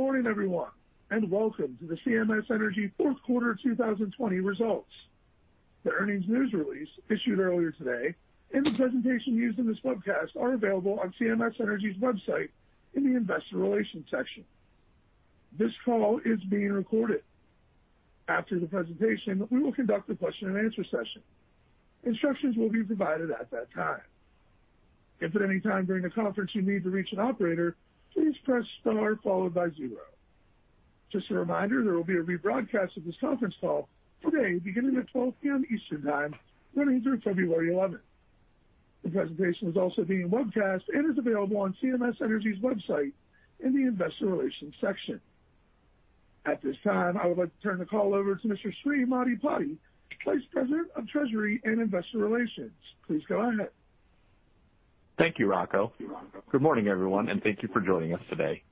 Good morning, everyone. Welcome to the CMS Energy fourth quarter 2020 results. The earnings news release issued earlier today and the presentation used in this webcast are available on CMS Energy's website in the investor relations section. This call is being recorded. After the presentation, we will conduct a question-and-answer session. Instructions will be provided at that time. If at any time during the conference you need to reach an operator, please press star followed by zero. Just a reminder, there will be a rebroadcast of this conference call today beginning at 12:00 P.M. Eastern Time, running through February 11th. The presentation is also being webcasted and is available on CMS Energy's website in the investor relations section. At this time, I would like to turn the call over to Mr. Sri Maddipati, Vice President of Treasury and Investor Relations. Please go ahead. Thank you, Rocco. Good morning, everyone, thank you for joining us today.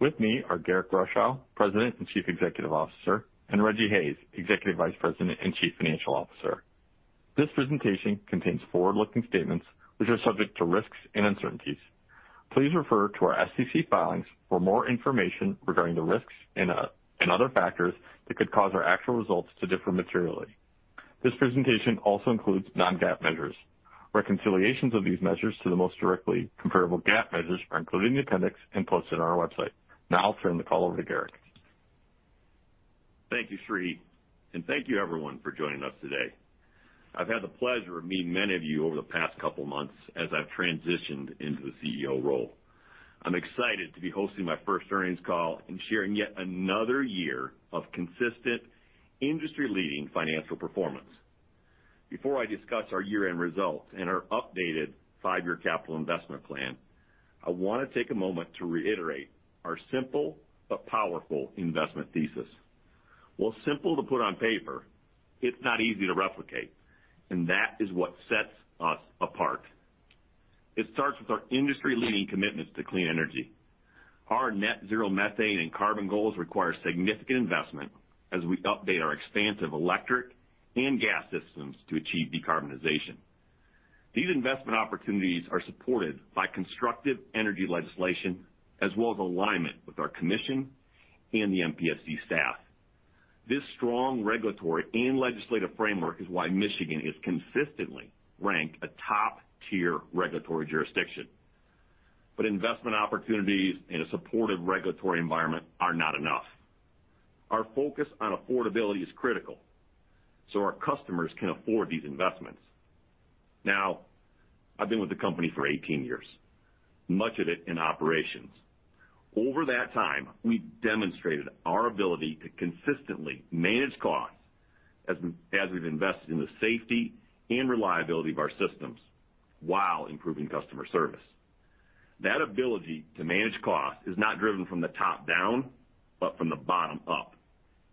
With me are Garrick Rochow, President and Chief Executive Officer, and Rejji Hayes, Executive Vice President and Chief Financial Officer. This presentation contains forward-looking statements which are subject to risks and uncertainties. Please refer to our SEC filings for more information regarding the risks and other factors that could cause our actual results to differ materially. This presentation also includes non-GAAP measures. Reconciliations of these measures to the most directly comparable GAAP measures are included in the appendix and posted on our website. Now I'll turn the call over to Garrick. Thank you, Sri, and thank you, everyone, for joining us today. I've had the pleasure of meeting many of you over the past couple of months as I've transitioned into the CEO role. I'm excited to be hosting my first earnings call and sharing yet another year of consistent industry-leading financial performance. Before I discuss our year-end results and our updated five-year capital investment plan, I want to take a moment to reiterate our simple but powerful investment thesis. While simple to put on paper, it's not easy to replicate, and that is what sets us apart. It starts with our industry-leading commitments to clean energy. Our net zero methane and carbon goals require significant investment as we update our expansive electric and gas systems to achieve decarbonization. These investment opportunities are supported by constructive energy legislation as well as alignment with our commission and the MPSC staff. This strong regulatory and legislative framework is why Michigan is consistently ranked a top-tier regulatory jurisdiction. Investment opportunities in a supportive regulatory environment are not enough. Our focus on affordability is critical so our customers can afford these investments. I've been with the company for 18 years, much of it in operations. Over that time, we've demonstrated our ability to consistently manage costs as we've invested in the safety and reliability of our systems while improving customer service. That ability to manage cost is not driven from the top down, but from the bottom up.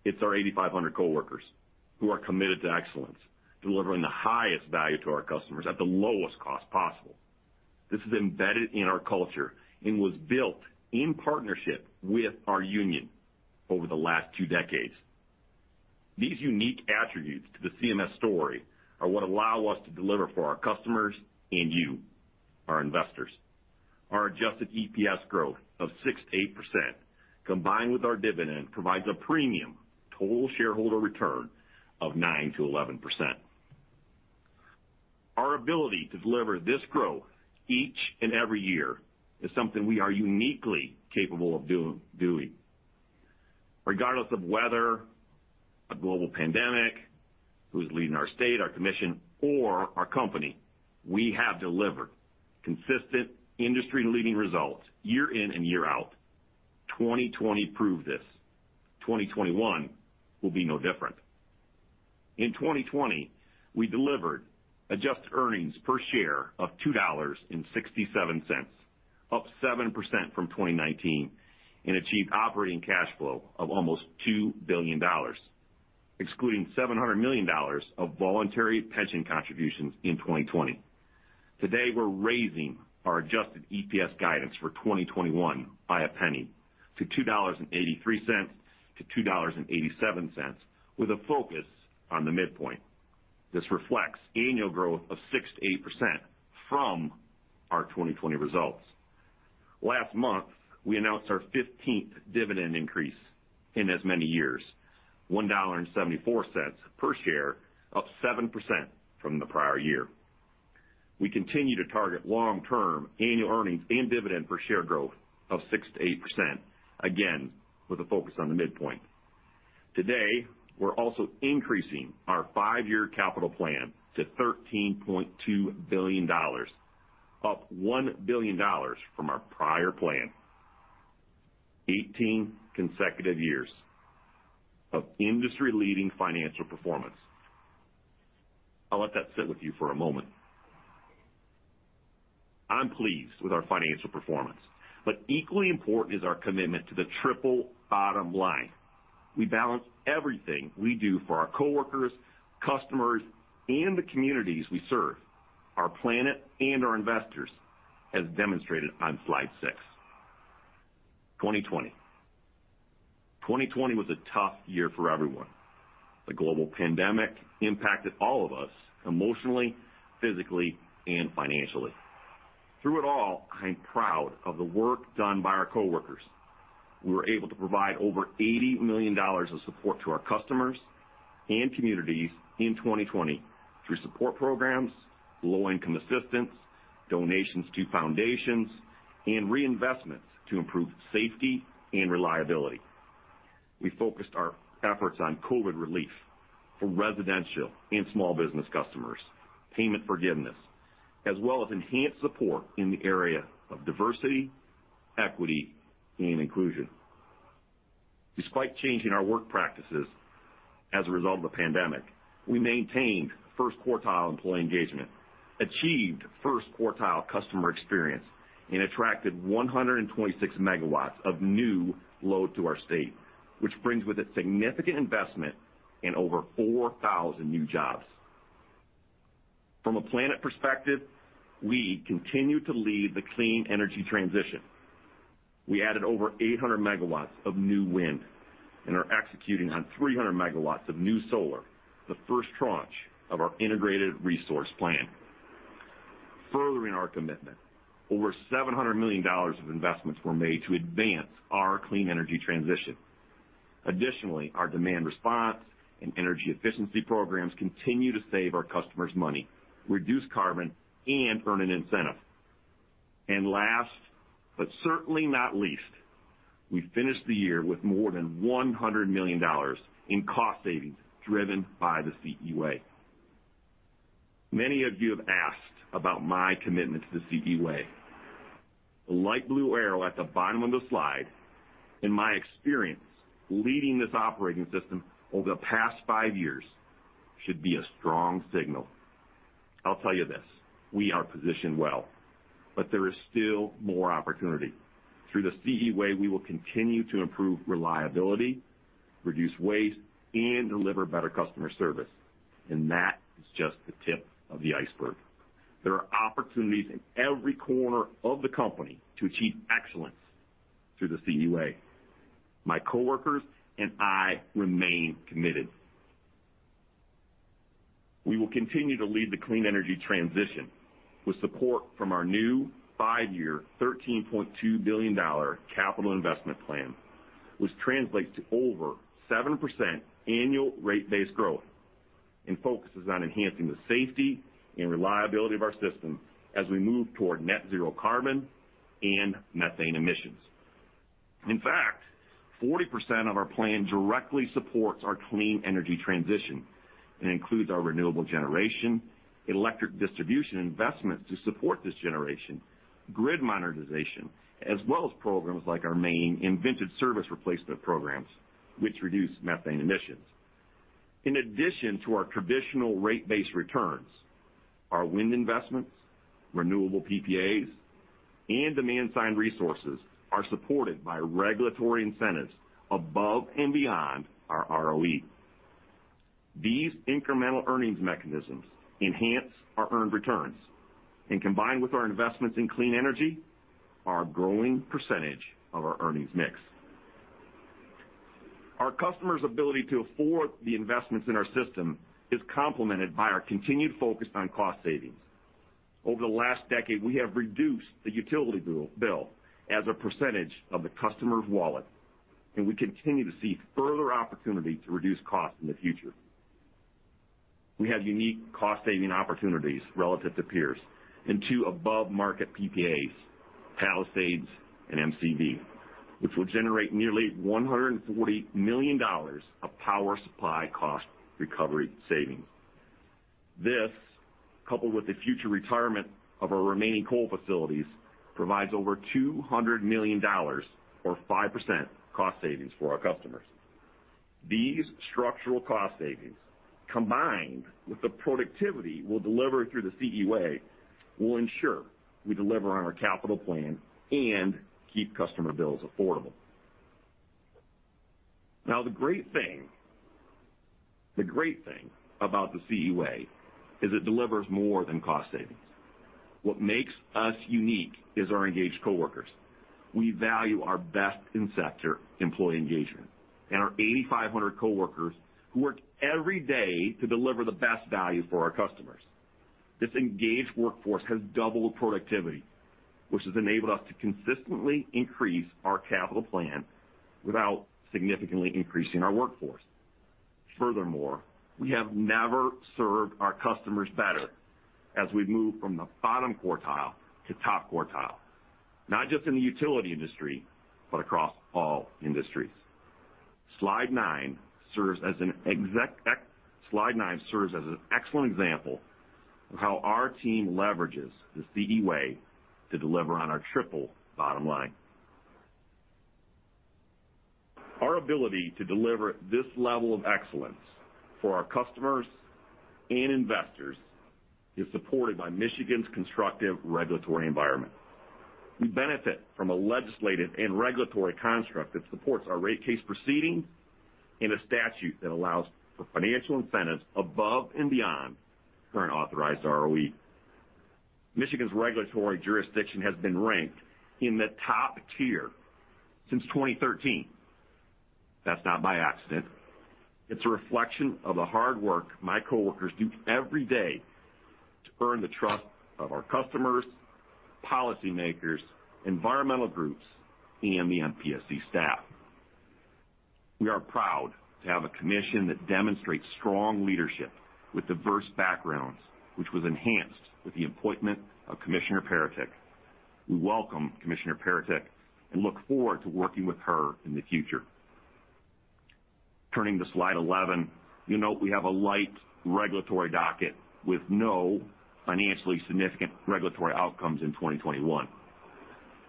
It's our 8,500 coworkers who are committed to excellence, delivering the highest value to our customers at the lowest cost possible. This is embedded in our culture and was built in partnership with our union over the last two decades. These unique attributes to the CMS story are what allow us to deliver for our customers and you, our investors. Our adjusted EPS growth of 6%-8%, combined with our dividend, provides a premium total shareholder return of 9%-11%. Our ability to deliver this growth each and every year is something we are uniquely capable of doing. Regardless of weather, a global pandemic, who's leading our state, our commission, or our company, we have delivered consistent industry-leading results year in and year out. 2020 proved this. 2021 will be no different. In 2020, we delivered adjusted earnings per share of $2.67, up 7% from 2019, and achieved operating cash flow of almost $2 billion, excluding $700 million of voluntary pension contributions in 2020. Today, we're raising our adjusted EPS guidance for 2021 by $0.01-$2.83-$2.87, with a focus on the midpoint. This reflects annual growth of 6%-8% from our 2020 results. Last month, we announced our 15th dividend increase in as many years, $1.74 per share, up 7% from the prior year. We continue to target long-term annual earnings and dividend per share growth of 6%-8%, again, with a focus on the midpoint. Today, we're also increasing our five-year capital plan to $13.2 billion, up $1 billion from our prior plan. 18 consecutive years of industry-leading financial performance. I'll let that sit with you for a moment. I'm pleased with our financial performance. Equally important is our commitment to the triple bottom line. We balance everything we do for our coworkers, customers, and the communities we serve, our planet and our investors, as demonstrated on slide six. 2020 was a tough year for everyone. The global pandemic impacted all of us emotionally, physically, and financially. Through it all, I'm proud of the work done by our coworkers. We were able to provide over $80 million of support to our customers and communities in 2020 through support programs, low-income assistance, donations to foundations, and reinvestments to improve safety and reliability. We focused our efforts on COVID relief for residential and small business customers, payment forgiveness, as well as enhanced support in the area of diversity, equity, and inclusion. Despite changing our work practices as a result of the pandemic, we maintained first quartile employee engagement, achieved first quartile customer experience, and attracted 126 MW of new load to our state, which brings with it significant investment in over 4,000 new jobs. From a planet perspective, we continue to lead the clean energy transition. We added over 800 MW of new wind and are executing on 300 MW of new solar, the first tranche of our integrated resource plan. Furthering our commitment, over $700 million of investments were made to advance our clean energy transition. Additionally, our demand response and energy efficiency programs continue to save our customers money, reduce carbon, and earn an incentive. Last, but certainly not least, we finished the year with more than $100 million in cost savings driven by the CE Way. Many of you have asked about my commitment to the CE Way. The light blue arrow at the bottom of the slide, in my experience, leading this operating system over the past five years, should be a strong signal. I'll tell you this, we are positioned well, but there is still more opportunity. Through the CE Way, we will continue to improve reliability, reduce waste, and deliver better customer service. That is just the tip of the iceberg. There are opportunities in every corner of the company to achieve excellence through the CE Way. My coworkers and I remain committed. We will continue to lead the clean energy transition with support from our new five-year $13.2 billion capital investment plan, which translates to over 7% annual rate base growth and focuses on enhancing the safety and reliability of our system as we move toward net zero carbon and methane emissions. In fact, 40% of our plan directly supports our clean energy transition and includes our renewable generation, electric distribution investment to support this generation, grid modernization, as well as programs like our Main and Service Replacement programs, which reduce methane emissions. In addition to our traditional rate base returns, our wind investments, renewable PPAs, and demand-side resources are supported by regulatory incentives above and beyond our ROE. These incremental earnings mechanisms enhance our earned returns and, combined with our investments in clean energy, are a growing percentage of our earnings mix. Our customers' ability to afford the investments in our system is complemented by our continued focus on cost savings. Over the last decade, we have reduced the utility bill as a percentage of the customer's wallet, and we continue to see further opportunity to reduce costs in the future. We have unique cost-saving opportunities relative to peers and two above-market PPAs, Palisades and MCV, which will generate nearly $140 million of power supply cost recovery savings. This, coupled with the future retirement of our remaining coal facilities, provides over $200 million or 5% cost savings for our customers. These structural cost savings, combined with the productivity we'll deliver through the CE Way, will ensure we deliver on our capital plan and keep customer bills affordable. Now, the great thing about the CE Way is it delivers more than cost savings. What makes us unique is our engaged coworkers. We value our best-in-sector employee engagement and our 8,500 coworkers who work every day to deliver the best value for our customers. This engaged workforce has doubled productivity, which has enabled us to consistently increase our capital plan without significantly increasing our workforce. Furthermore, we have never served our customers better as we've moved from the bottom quartile to top quartile, not just in the utility industry, but across all industries. Slide nine serves as an excellent example of how our team leverages the CE Way to deliver on our triple bottom line. Our ability to deliver this level of excellence for our customers and investors is supported by Michigan's constructive regulatory environment. We benefit from a legislative and regulatory construct that supports our rate case proceedings and a statute that allows for financial incentives above and beyond current authorized ROE. Michigan's regulatory jurisdiction has been ranked in the top tier since 2013. That's not by accident. It's a reflection of the hard work my coworkers do every day to earn the trust of our customers, policymakers, environmental groups, and the MPSC staff. We are proud to have a commission that demonstrates strong leadership with diverse backgrounds, which was enhanced with the appointment of Commissioner Peretick. We welcome Commissioner Peretick and look forward to working with her in the future. Turning to slide 11. You'll note we have a light regulatory docket with no financially significant regulatory outcomes in 2021.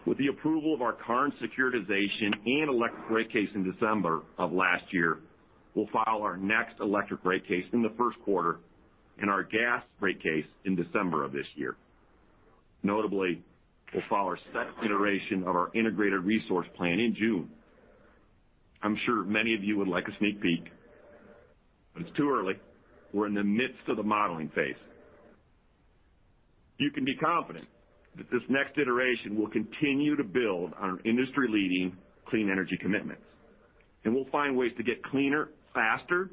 With the approval of our current securitization and electric rate case in December of last year, we'll file our next electric rate case in the first quarter and our gas rate case in December of this year. Notably, we'll file our second iteration of our integrated resource plan in June. I'm sure many of you would like a sneak peek, but it's too early. We're in the midst of the modeling phase. You can be confident that this next iteration will continue to build on our industry-leading clean energy commitments, and we'll find ways to get cleaner, faster,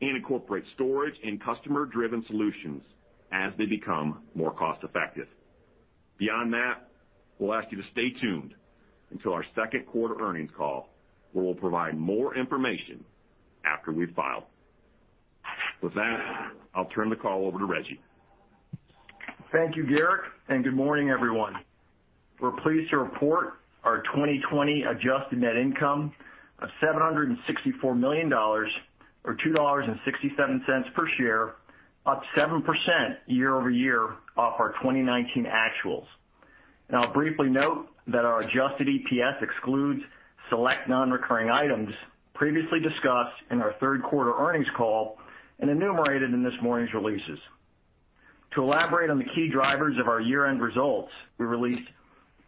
and incorporate storage and customer-driven solutions as they become more cost-effective. Beyond that, we'll ask you to stay tuned until our second quarter earnings call, where we'll provide more information after we've filed. With that, I'll turn the call over to Rejji. Thank you, Garrick. Good morning, everyone. We're pleased to report our 2020 adjusted net income of $764 million, or $2.67 per share, up 7% year-over-year off our 2019 actuals. I'll briefly note that our adjusted EPS excludes select non-recurring items previously discussed in our third quarter earnings call and enumerated in this morning's releases. To elaborate on the key drivers of our year-end results, we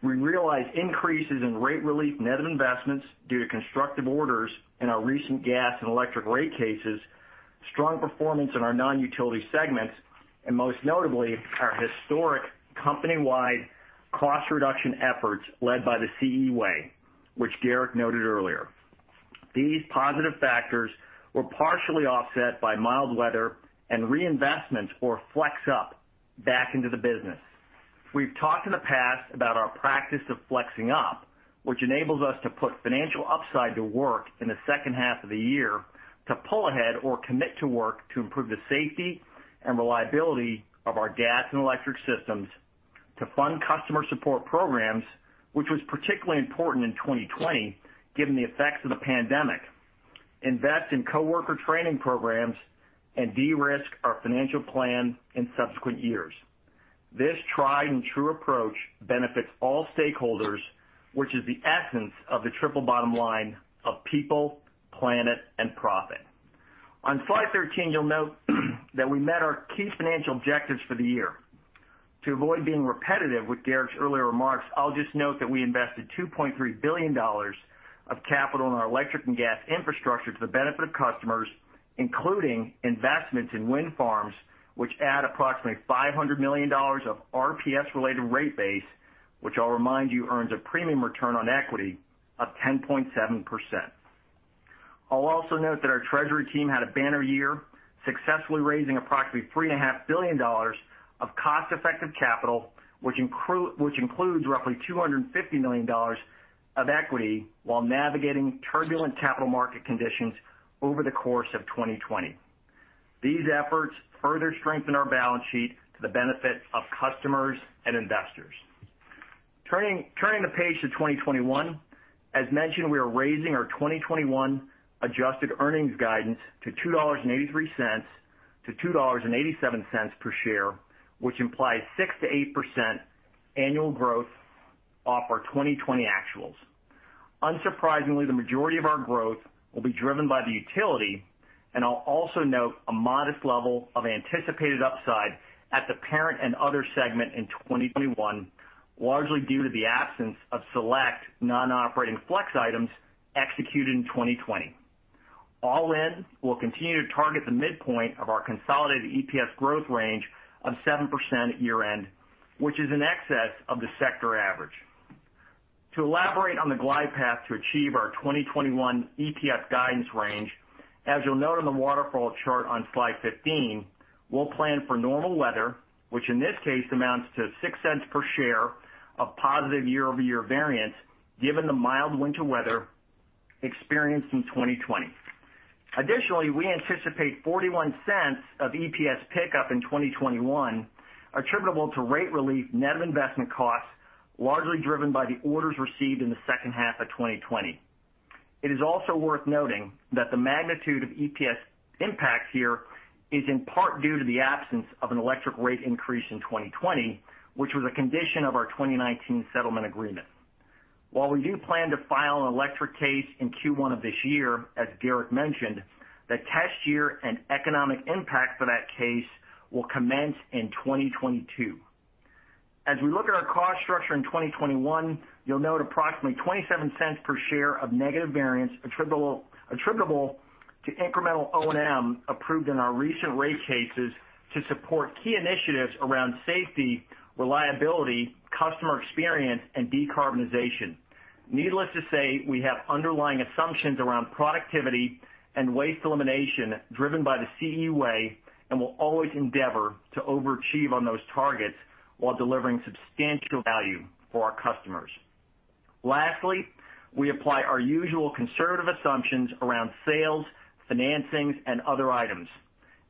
realized increases in rate relief net of investments due to constructive orders in our recent gas and electric rate cases, strong performance in our non-utility segments, and most notably, our historic company-wide cost reduction efforts led by the CE Way, which Garrick noted earlier. These positive factors were partially offset by mild weather and reinvestments or flex up back into the business. We've talked in the past about our practice of flexing up, which enables us to put financial upside to work in the second half of the year to pull ahead or commit to work to improve the safety and reliability of our gas and electric systems to fund customer support programs, which was particularly important in 2020, given the effects of the pandemic, invest in coworker training programs, and de-risk our financial plan in subsequent years. This tried-and-true approach benefits all stakeholders, which is the essence of the triple bottom line of people, planet, and profit. On slide 13, you'll note that we met our key financial objectives for the year. To avoid being repetitive with Garrick's earlier remarks, I'll just note that we invested $2.3 billion of capital in our electric and gas infrastructure to the benefit of customers, including investments in wind farms, which add approximately $500 million of RPS-related rate base, which I'll remind you, earns a premium return on equity of 10.7%. I'll also note that our treasury team had a banner year, successfully raising approximately $3.5 billion of cost-effective capital, which includes roughly $250 million of equity while navigating turbulent capital market conditions over the course of 2020. These efforts further strengthen our balance sheet to the benefit of customers and investors. Turning the page to 2021. As mentioned, we are raising our 2021 adjusted earnings guidance to $2.83-$2.87 per share, which implies 6%-8% annual growth off our 2020 actuals. Unsurprisingly, the majority of our growth will be driven by the utility, and I'll also note a modest level of anticipated upside at the parent and other segment in 2021, largely due to the absence of select non-operating flex items executed in 2020. All in, we'll continue to target the midpoint of our consolidated EPS growth range of 7% at year-end, which is in excess of the sector average. To elaborate on the glide path to achieve our 2021 EPS guidance range, as you'll note on the waterfall chart on slide 15, we'll plan for normal weather, which in this case amounts to $0.06 per share of positive year-over-year variance given the mild winter weather experienced in 2020. Additionally, we anticipate $0.41 of EPS pickup in 2021 attributable to rate relief net of investment costs, largely driven by the orders received in the second half of 2020. It is also worth noting that the magnitude of EPS impact here is in part due to the absence of an electric rate increase in 2020, which was a condition of our 2019 settlement agreement. While we do plan to file an electric case in Q1 of this year, as Garrick mentioned, the test year and economic impact for that case will commence in 2022. As we look at our cost structure in 2021, you'll note approximately $0.27 per share of negative variance attributable to incremental O&M approved in our recent rate cases to support key initiatives around safety, reliability, customer experience, and decarbonization. Needless to say, we have underlying assumptions around productivity and waste elimination driven by the CE Way, and we'll always endeavor to overachieve on those targets while delivering substantial value for our customers. Lastly, we apply our usual conservative assumptions around sales, financings, and other items.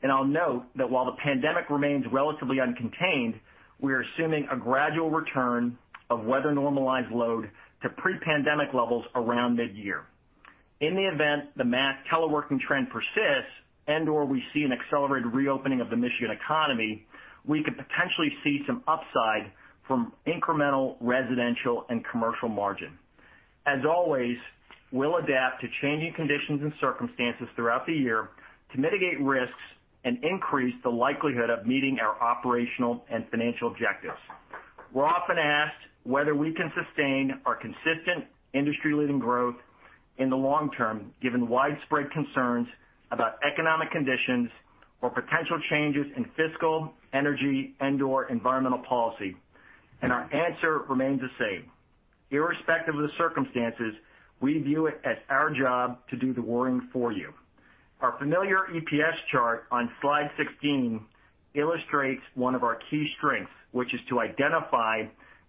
I'll note that while the pandemic remains relatively uncontained, we are assuming a gradual return of weather-normalized load to pre-pandemic levels around mid-year. In the event the mass teleworking trend persists and/or we see an accelerated reopening of the Michigan economy, we could potentially see some upside from incremental residential and commercial margin. As always, we'll adapt to changing conditions and circumstances throughout the year to mitigate risks and increase the likelihood of meeting our operational and financial objectives. We're often asked whether we can sustain our consistent industry-leading growth in the long-term, given widespread concerns about economic conditions or potential changes in fiscal energy and/or environmental policy, and our answer remains the same. Irrespective of the circumstances, we view it as our job to do the worrying for you. Our familiar EPS chart on slide 16 illustrates one of our key strengths, which is to identify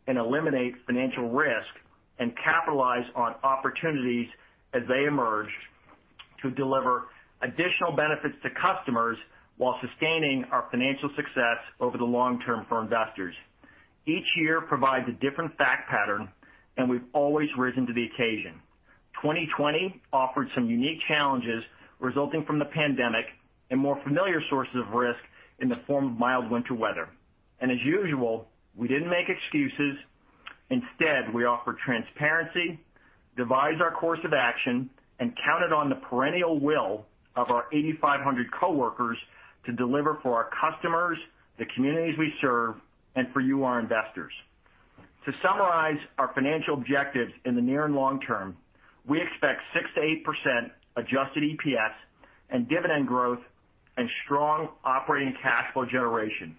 and eliminate financial risk and capitalize on opportunities as they emerge to deliver additional benefits to customers while sustaining our financial success over the long-term for investors. Each year provides a different fact pattern, and we've always risen to the occasion. 2020 offered some unique challenges resulting from the pandemic and more familiar sources of risk in the form of mild winter weather. As usual, we didn't make excuses. Instead, we offered transparency, devised our course of action, and counted on the perennial will of our 8,500 coworkers to deliver for our customers, the communities we serve, and for you, our investors. To summarize our financial objectives in the near and long-term, we expect 6%-8% adjusted EPS and dividend growth and strong operating cash flow generation.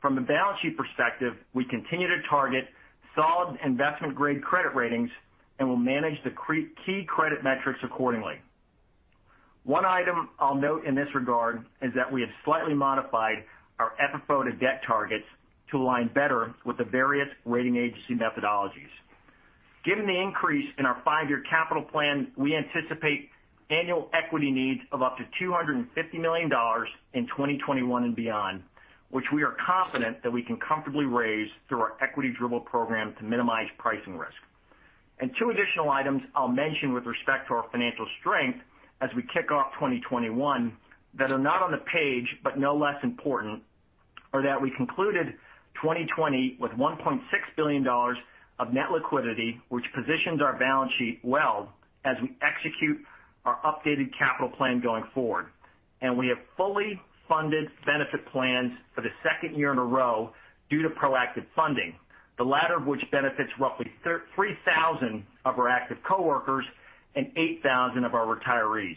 From the balance sheet perspective, we continue to target solid investment-grade credit ratings and will manage the key credit metrics accordingly. One item I'll note in this regard is that we have slightly modified our EBITDA-to-debt targets to align better with the various rating agency methodologies. Given the increase in our five-year capital plan, we anticipate annual equity needs of up to $250 million in 2021 and beyond, which we are confident that we can comfortably raise through our equity dribble program to minimize pricing risk. Two additional items I'll mention with respect to our financial strength as we kick off 2021 that are not on the page but no less important, are that we concluded 2020 with $1.6 billion of net liquidity, which positions our balance sheet well as we execute our updated capital plan going forward. We have fully funded benefit plans for the second year in a row due to proactive funding, the latter of which benefits roughly 3,000 of our active coworkers and 8,000 of our retirees.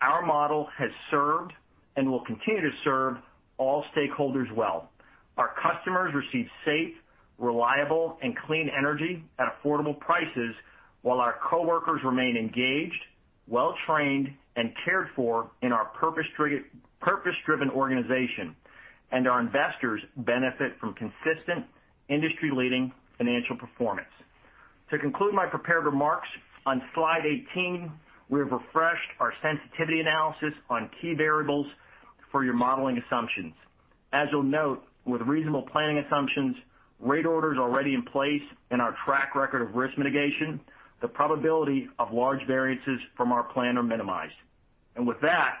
Our model has served and will continue to serve all stakeholders well. Our customers receive safe, reliable, and clean energy at affordable prices while our coworkers remain engaged, well-trained, and cared for in our purpose-driven organization, and our investors benefit from consistent industry-leading financial performance. To conclude my prepared remarks, on slide 18, we've refreshed our sensitivity analysis on key variables for your modeling assumptions. As you'll note, with reasonable planning assumptions, rate orders already in place and our track record of risk mitigation, the probability of large variances from our plan are minimized. With that,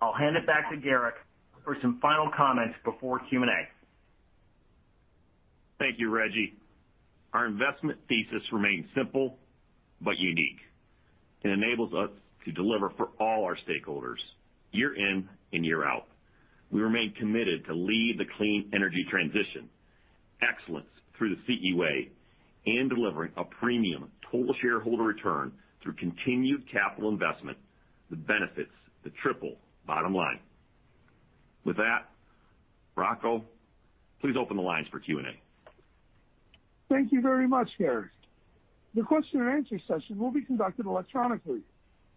I'll hand it back to Garrick for some final comments before Q&A. Thank you, Rejji. Our investment thesis remains simple but unique. It enables us to deliver for all our stakeholders year in and year out. We remain committed to lead the clean energy transition, excellence through the CE Way, and delivering a premium total shareholder return through continued capital investment that benefits the triple bottom line. With that, Rocco, please open the lines for Q&A. Thank you very much, Garrick. The question-and-answer session will be conducted electronically.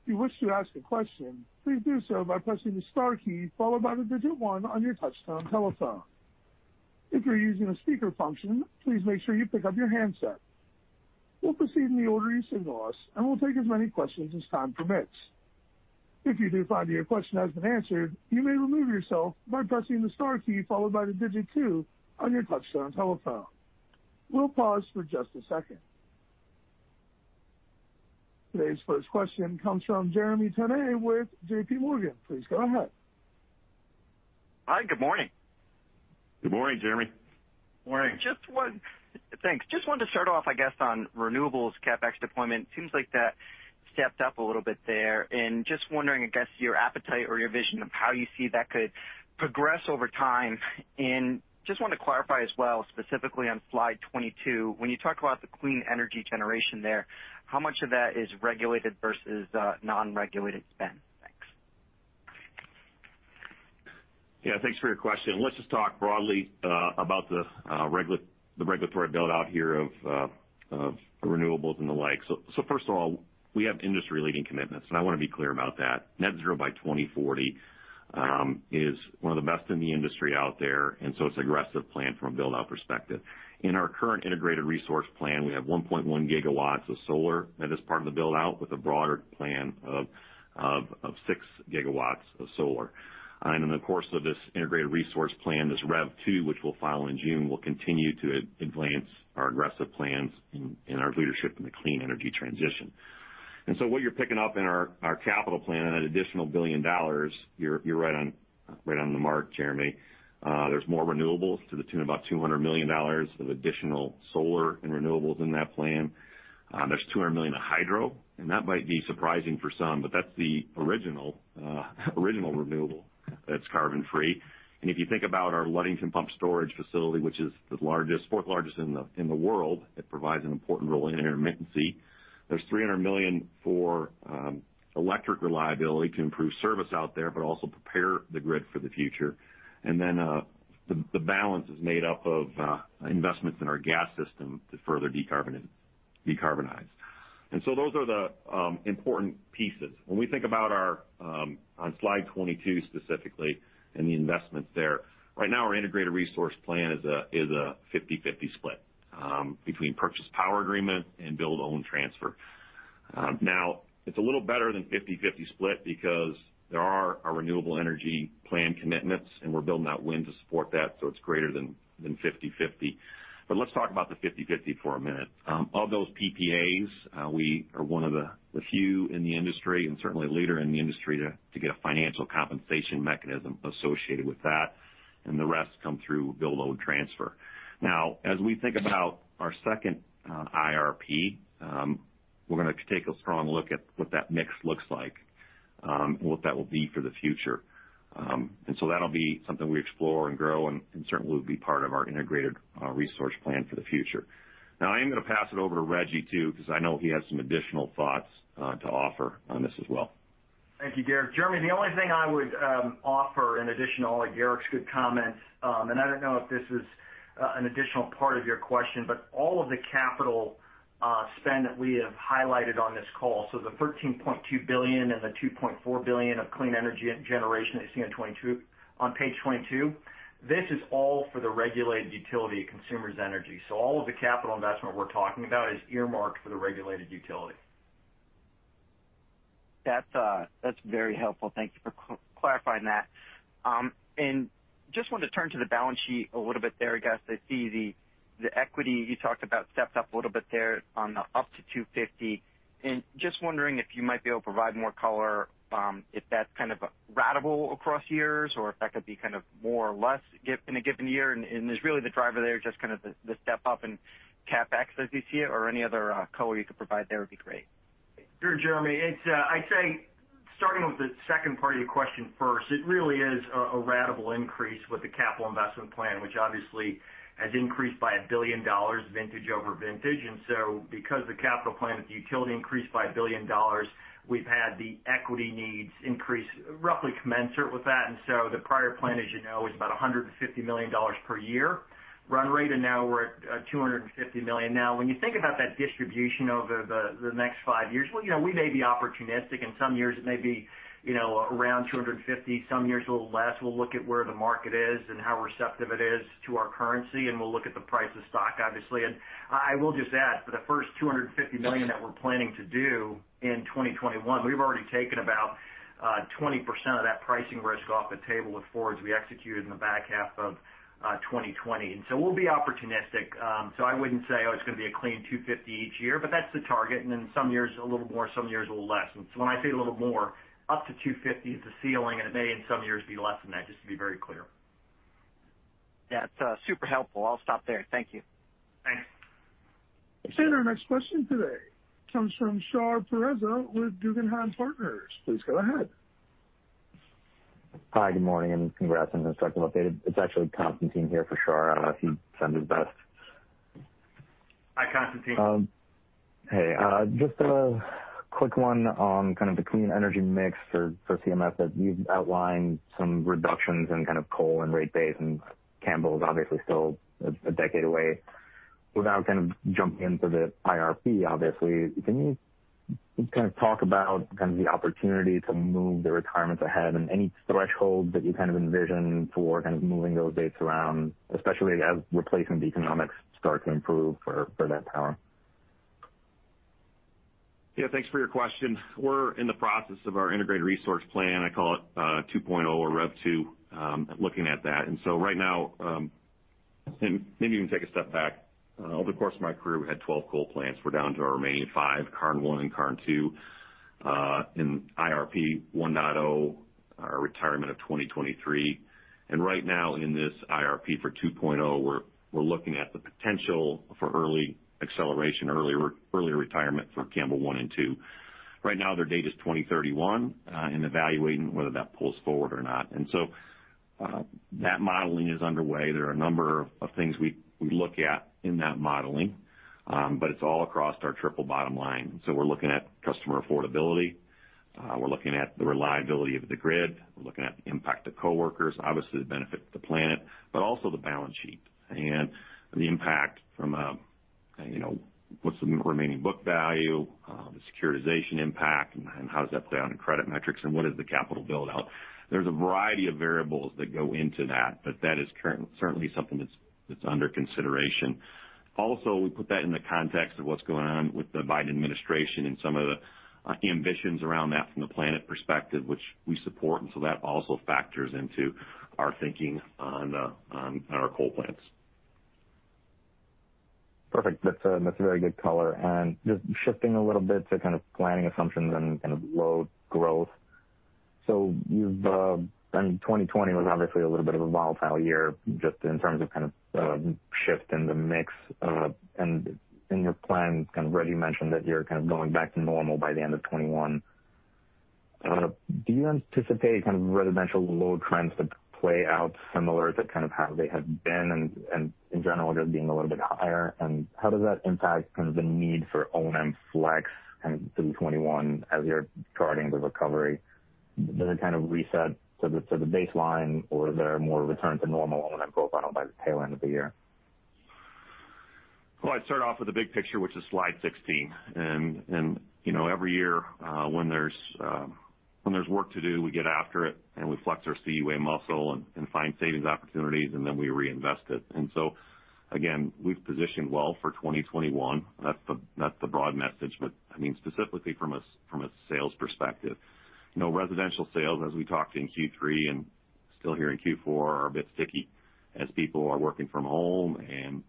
If you wish to ask a question, please do so by pressing the star key followed by the digit one on your touch-tone telephone. If you're using a speaker function, please make sure you pick up your handset. We'll proceed in the order you signal us, and we'll take as many questions as time permits. If you do find that your question has been answered, you may remove yourself by pressing the star key followed by the digit two on your touch-tone telephone. We'll pause for just a second. Today's first question comes from Jeremy Tonet with J.P. Morgan. Please go ahead. Hi, good morning. Good morning, Jeremy. Morning. Thanks. Just wanted to start off, I guess, on renewables CapEx deployment. Seems like that stepped up a little bit there, and just wondering, I guess, your appetite or your vision of how you see that could progress over time. Just wanted to clarify as well, specifically on slide 22, when you talk about the clean energy generation there, how much of that is regulated versus non-regulated spend? Thanks. Yeah, thanks for your question. Let's just talk broadly about the regulatory build-out here of renewables and the like. First of all, we have industry-leading commitments, and I want to be clear about that. Net zero by 2040 is one of the best in the industry out there, it's an aggressive plan from a build-out perspective. In our current integrated resource plan, we have 1.1 GW of solar that is part of the build-out, with a broader plan of 6 GW of solar. In the course of this integrated resource plan, this REV2, which we'll file in June, will continue to advance our aggressive plans and our leadership in the clean energy transition. What you're picking up in our capital plan, an additional $1 billion, you're right on the mark, Jeremy. There's more renewables to the tune of about $200 million of additional solar and renewables in that plan. There's $200 million of hydro, and that might be surprising for some, but that's the original renewable that's carbon free. If you think about our Ludington Pumped Storage facility, which is the fourth largest in the world, it provides an important role in intermittency. There's $300 million for electric reliability to improve service out there, but also prepare the grid for the future. The balance is made up of investments in our gas system to further decarbonize. Those are the important pieces. When we think about on Slide 22 specifically and the investments there, right now our integrated resource plan is a 50/50 split between purchased power agreement and build own transfer. It's a little better than 50/50 split because there are our renewable energy plan commitments, and we're building out wind to support that, so it's greater than 50/50. Let's talk about the 50/50 for a minute. Of those PPAs, we are one of the few in the industry, and certainly a leader in the industry, to get a financial compensation mechanism associated with that, and the rest come through build own transfer. As we think about our second IRP, we're going to take a strong look at what that mix looks like, and what that will be for the future. That'll be something we explore and grow and certainly will be part of our integrated resource plan for the future. I am going to pass it over to Rejji too, because I know he has some additional thoughts to offer on this as well. Thank you, Garrick. Jeremy, the only thing I would offer in addition to all of Garrick's good comments, and I don't know if this is an additional part of your question, but all of the capital spend that we have highlighted on this call, the $13.2 billion and the $2.4 billion of clean energy generation that you see on page 22, this is all for the regulated utility of Consumers Energy. All of the capital investment we're talking about is earmarked for the regulated utility. That's very helpful. Thank you for clarifying that. Just wanted to turn to the balance sheet a little bit there. I guess I see the equity you talked about stepped up a little bit there on the up to $250, and just wondering if you might be able to provide more color, if that's kind of ratable across years or if that could be kind of more or less in a given year, and is really the driver there just kind of the step up in CapEx as you see it? Any other color you could provide there would be great. Sure, Jeremy. I'd say starting with the second part of your question first, it really is a ratable increase with the capital investment plan, which obviously has increased by $1 billion vintage over vintage. Because the capital plan of the utility increased by $1 billion, we've had the equity needs increase roughly commensurate with that. The prior plan, as you know, is about $150 million per year run rate, and now we're at $250 million. Now when you think about that distribution over the next five years, we may be opportunistic, and some years it may be around $250 million, some years a little less. We'll look at where the market is and how receptive it is to our currency, and we'll look at the price of stock, obviously. I will just add, for the first $250 million that we're planning to do in 2021, we've already taken about 20% of that pricing risk off the table with forwards we executed in the back half of 2020. We'll be opportunistic. I wouldn't say, oh, it's going to be a clean 250 each year, but that's the target. In some years, a little more, some years a little less. When I say a little more, up to 250 is the ceiling, and it may, in some years, be less than that, just to be very clear. Yeah, it's super helpful. I'll stop there. Thank you. Thanks. Our next question today comes from Shar Pourreza with Guggenheim Partners. Please go ahead. Good morning, congrats on the institutional update. It's actually Constantine here for Shar. I don't know if he sent his best. Hi, Constantine. Hey. Just a quick one on kind of the clean energy mix for CMS, as you've outlined some reductions in kind of coal and rate base, and Campbell is obviously still a decade away. Without kind of jumping into the IRP, obviously, can you kind of talk about kind of the opportunity to move the retirements ahead and any thresholds that you kind of envision for kind of moving those dates around, especially as replacement economics start to improve for that power? Yeah, thanks for your question. We're in the process of our integrated resource plan, I call it 2.0 or REV2, looking at that. Maybe even take a step back. Over the course of my career, we had 12 coal plants. We're down to our remaining five, Karn 1 and Karn 2, in IRP 1.0, our retirement of 2023. Right now in this IRP for 2.0, we're looking at the potential for early acceleration, earlier retirement for Campbell 1 and 2. Right now, their date is 2031, and evaluating whether that pulls forward or not. That modeling is underway. There are a number of things we look at in that modeling, but it's all across our triple bottom line. We're looking at customer affordability. We're looking at the reliability of the grid. We're looking at the impact to coworkers, obviously the benefit to the planet. Also the balance sheet and the impact from what's the remaining book value, the securitization impact, and how does that play out in credit metrics, and what is the capital build-out? There's a variety of variables that go into that, but that is certainly something that's under consideration. Also, we put that in the context of what's going on with the Biden Administration and some of the ambitions around that from the planet perspective, which we support, and so that also factors into our thinking on our coal plants. Perfect. That's a very good color. Just shifting a little bit to kind of planning assumptions and kind of load growth. 2020 was obviously a little bit of a volatile year just in terms of kind of shift in the mix. In your plan, kind of Rejji mentioned that you're kind of going back to normal by the end of 2021. Do you anticipate kind of residential load trends to play out similar to kind of how they have been and, in general, just being a little bit higher? How does that impact kind of the need for O&M flex kind of through 2021 as you're charting the recovery? Does it kind of reset to the baseline, or is there more return to normal O&M profile by the tail end of the year? Well, I'd start off with the big picture, which is slide 16. Every year, when there's work to do, we get after it, and we flex our CE Way muscle and find savings opportunities, then we reinvest it. Again, we've positioned well for 2021. That's the broad message. Specifically from a sales perspective. Residential sales, as we talked in Q3 and still here in Q4, are a bit sticky as people are working from home and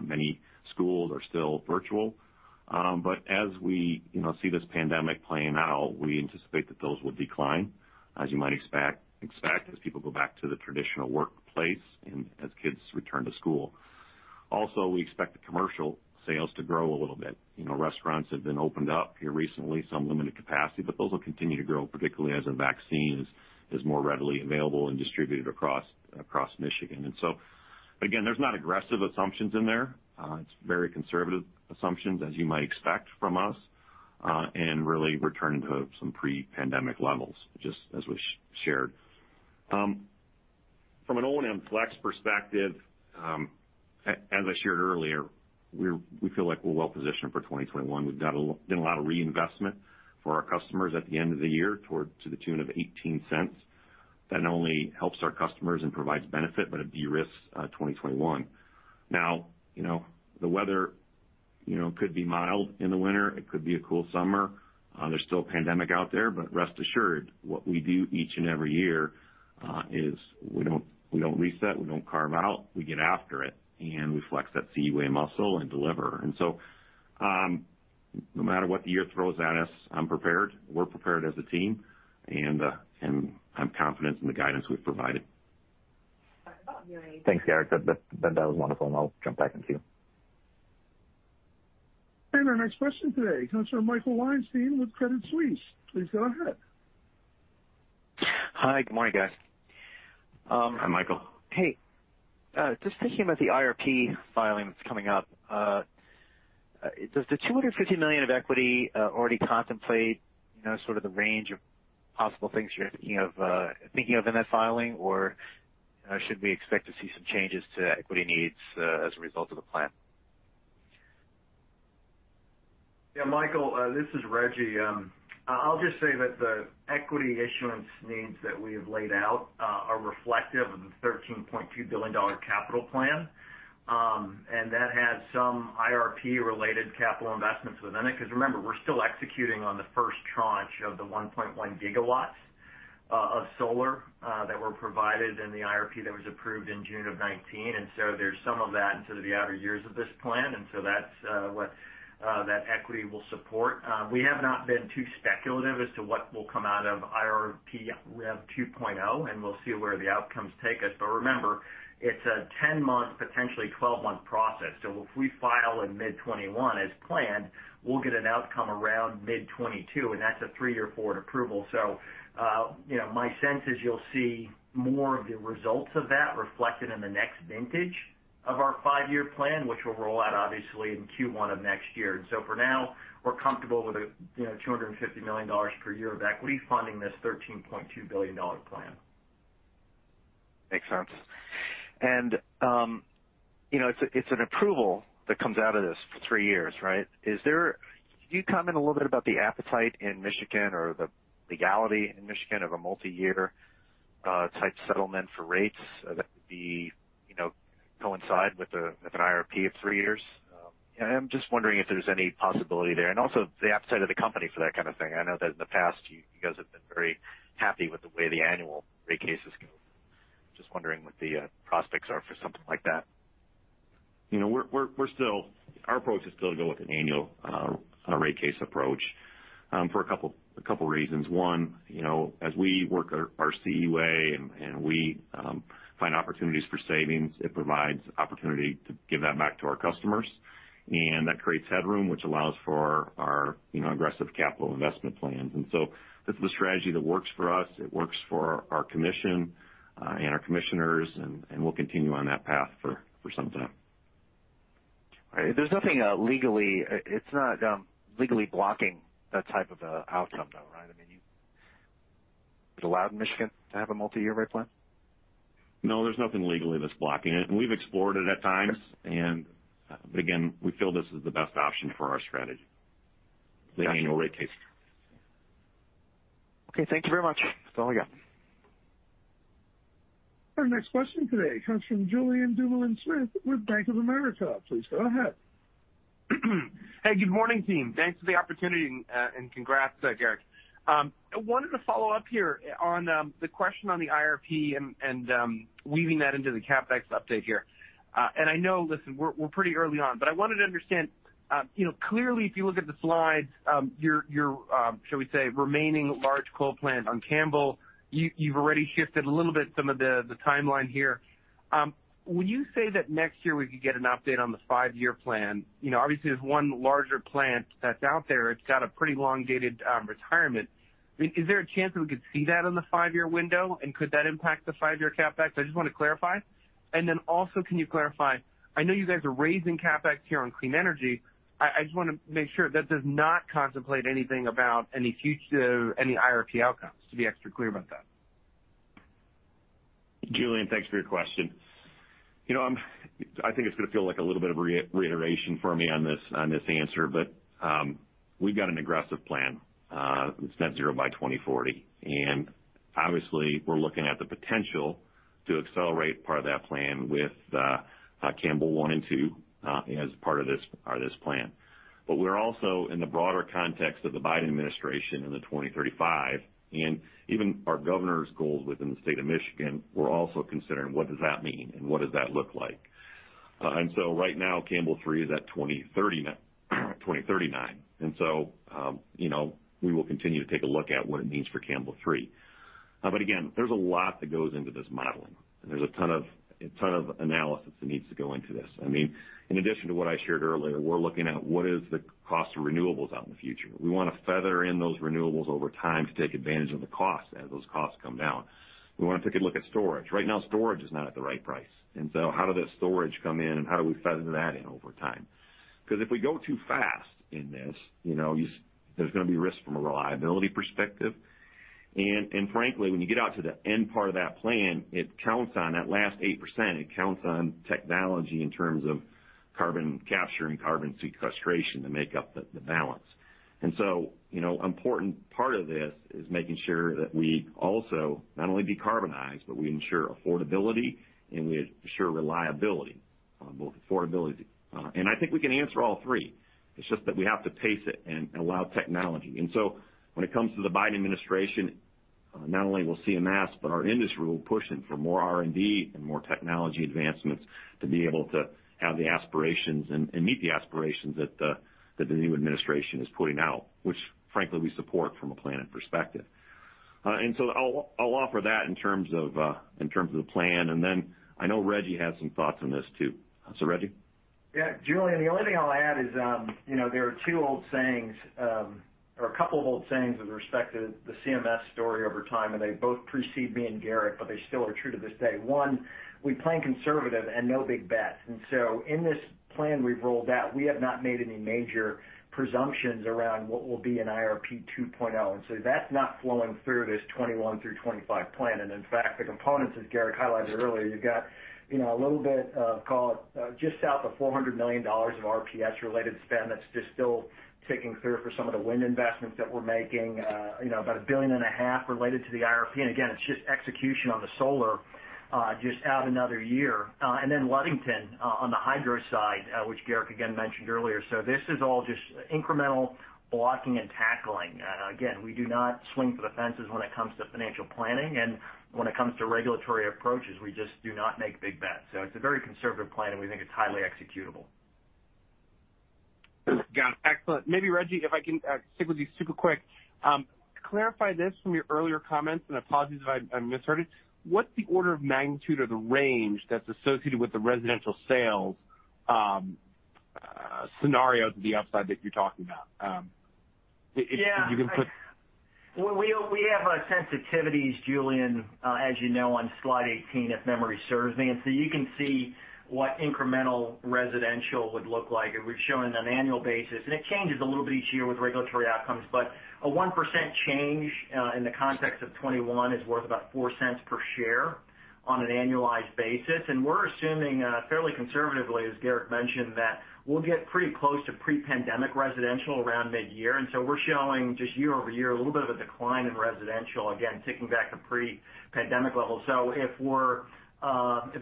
many schools are still virtual. As we see this pandemic playing out, we anticipate that those will decline, as you might expect, as people go back to the traditional workplace and as kids return to school. Also, we expect the commercial sales to grow a little bit. Restaurants have been opened up here recently, some limited capacity, but those will continue to grow, particularly as a vaccine is more readily available and distributed across Michigan. Again, there's not aggressive assumptions in there. It's very conservative assumptions, as you might expect from us, and really returning to some pre-pandemic levels, just as we shared. From an O&M flex perspective, as I shared earlier, we feel like we're well-positioned for 2021. We've done a lot of reinvestment for our customers at the end of the year to the tune of $0.18. That not only helps our customers and provides benefit, but it de-risks 2021. Now, the weather could be mild in the winter. It could be a cool summer. There's still a pandemic out there. Rest assured, what we do each and every year, is we don't reset. We don't carve out. We get after it, we flex that CE Way muscle and deliver. No matter what the year throws at us, I'm prepared. We're prepared as a team. I'm confident in the guidance we've provided. Thanks, Garrick. That was wonderful, and I'll jump back into you. Our next question today comes from Michael Weinstein with Credit Suisse. Please go ahead. Hi. Good morning, guys. Hi, Michael. Hey. Just thinking about the IRP filing that's coming up. Does the $250 million of equity already contemplate sort of the range of possible things you're thinking of in that filing? Should we expect to see some changes to equity needs as a result of the plan? Yeah, Michael, this is Rejji. I'll just say that the equity issuance needs that we have laid out are reflective of the $13.2 billion capital plan. That has some IRP-related capital investments within it because remember, we're still executing on the first tranche of the 1.1 GW of solar that were provided in the IRP that was approved in June of 2019. There's some of that into the outer years of this plan. That's what that equity will support. We have not been too speculative as to what will come out of IRP 2.0, we'll see where the outcomes take us. Remember, it's a 10-month, potentially 12-month process. If we file in mid 2021 as planned, we'll get an outcome around mid 2022, that's a three-year board approval. My sense is you'll see more of the results of that reflected in the next vintage of our five-year plan, which will roll out obviously in Q1 of next year. For now, we're comfortable with $250 million per year of equity funding this $13.2 billion plan. Makes sense. It's an approval that comes out of this for three years, right? Can you comment a little bit about the appetite in Michigan or the legality in Michigan of a multi-year type settlement for rates that could coincide with an IRP of three years? Yeah, I'm just wondering if there's any possibility there, and also the upside of the company for that kind of thing. I know that in the past, you guys have been very happy with the way the annual rate cases go. Just wondering what the prospects are for something like that. Our approach is still to go with an annual rate case approach for a couple of reasons. One, as we work our CE Way and we find opportunities for savings, it provides opportunity to give that back to our customers, and that creates headroom, which allows for our aggressive capital investment plans. That's the strategy that works for us. It works for our commission and our commissioners, and we'll continue on that path for some time. All right. There's nothing legally blocking that type of outcome, though, right? I mean, is it allowed in Michigan to have a multi-year rate plan? No, there's nothing legally that's blocking it. We've explored it at times. Okay. Again, we feel this is the best option for our strategy. Got it. the annual rate case. Okay, thank you very much. That's all I got. Our next question today comes from Julien Dumoulin-Smith with Bank of America. Please go ahead. Hey, good morning, team. Thanks for the opportunity, and congrats, Garrick. I wanted to follow up here on the question on the IRP and weaving that into the CapEx update here. I know, listen, we're pretty early on, but I wanted to understand. Clearly, if you look at the slides, your, shall we say, remaining large coal plant on Campbell, you've already shifted a little bit some of the timeline here. When you say that next year we could get an update on the five-year plan, obviously, there's one larger plant that's out there. It's got a pretty long-dated retirement. Is there a chance that we could see that on the five-year window, and could that impact the five-year CapEx? I just want to clarify. Also, can you clarify, I know you guys are raising CapEx here on clean energy. I just want to make sure that does not contemplate anything about any future IRP outcomes, to be extra clear about that. Julien, thanks for your question. I think it's going to feel like a little bit of reiteration for me on this answer, but we've got an aggressive plan. It's net zero by 2040, and obviously, we're looking at the potential to accelerate part of that plan with Campbell 1 and 2 as part of this plan. We're also in the broader context of the Biden administration and the 2035, and even our governor's goals within the state of Michigan. We're also considering what does that mean, and what does that look like. Right now, Campbell Three is at 2039. We will continue to take a look at what it means for Campbell Three. Again, there's a lot that goes into this modeling, and there's a ton of analysis that needs to go into this. In addition to what I shared earlier, we're looking at what is the cost of renewables out in the future. We want to feather in those renewables over time to take advantage of the cost as those costs come down. We want to take a look at storage. Right now, storage is not at the right price. How did that storage come in, and how do we feather that in over time? Because if we go too fast in this, there's going to be risk from a reliability perspective. Frankly, when you get out to the end part of that plan, it counts on that last 8%, it counts on technology in terms of carbon capture and carbon sequestration to make up the balance. An important part of this is making sure that we also not only decarbonize, but we ensure affordability, and we ensure reliability on both affordability. I think we can answer all three. It's just that we have to pace it and allow technology. When it comes to the Biden Administration, not only will CMS, but our industry will push in for more R&D and more technology advancements to be able to have the aspirations and meet the aspirations that the new Administration is putting out, which frankly, we support from a planning perspective. I'll offer that in terms of the plan, and then I know Rejji has some thoughts on this, too. Rejji? Yeah. Julien, the only thing I'll add is there are two old sayings, or a couple of old sayings with respect to the CMS story over time, but they both precede me and Garrick, but they still are true to this day. One, we plan conservative and no big bets. In this plan we've rolled out, we have not made any major presumptions around what will be an IRP 2.0. That's not flowing through this 2021 through 2025 plan. In fact, the components, as Garrick highlighted earlier, you've got a little bit of, call it just south of $400 million of RPS-related spend that's just still ticking through for some of the wind investments that we're making. About a billion and a half related to the IRP. Again, it's just execution on the solar, just out another year. Ludington on the hydro side, which Garrick again mentioned earlier. This is all just incremental blocking and tackling. Again, we do not swing for the fences when it comes to financial planning and when it comes to regulatory approaches. We just do not make big bets. It's a very conservative plan, and we think it's highly executable. Got it. Excellent. Maybe Rejji, if I can stick with you super quick. Clarify this from your earlier comments, and apologies if I misheard it. What's the order of magnitude or the range that's associated with the residential sales scenario to the upside that you're talking about? Yeah. We have sensitivities, Julien, as you know, on slide 18, if memory serves me. You can see what incremental residential would look like, and we've shown it on an annual basis, and it changes a little bit each year with regulatory outcomes. A 1% change in the context of 2021 is worth about $0.04 per share on an annualized basis. We're assuming fairly conservatively, as Garrick mentioned, that we'll get pretty close to pre-pandemic residential around mid-year. We're showing just year-over-year, a little bit of a decline in residential, again, ticking back to pre-pandemic levels. If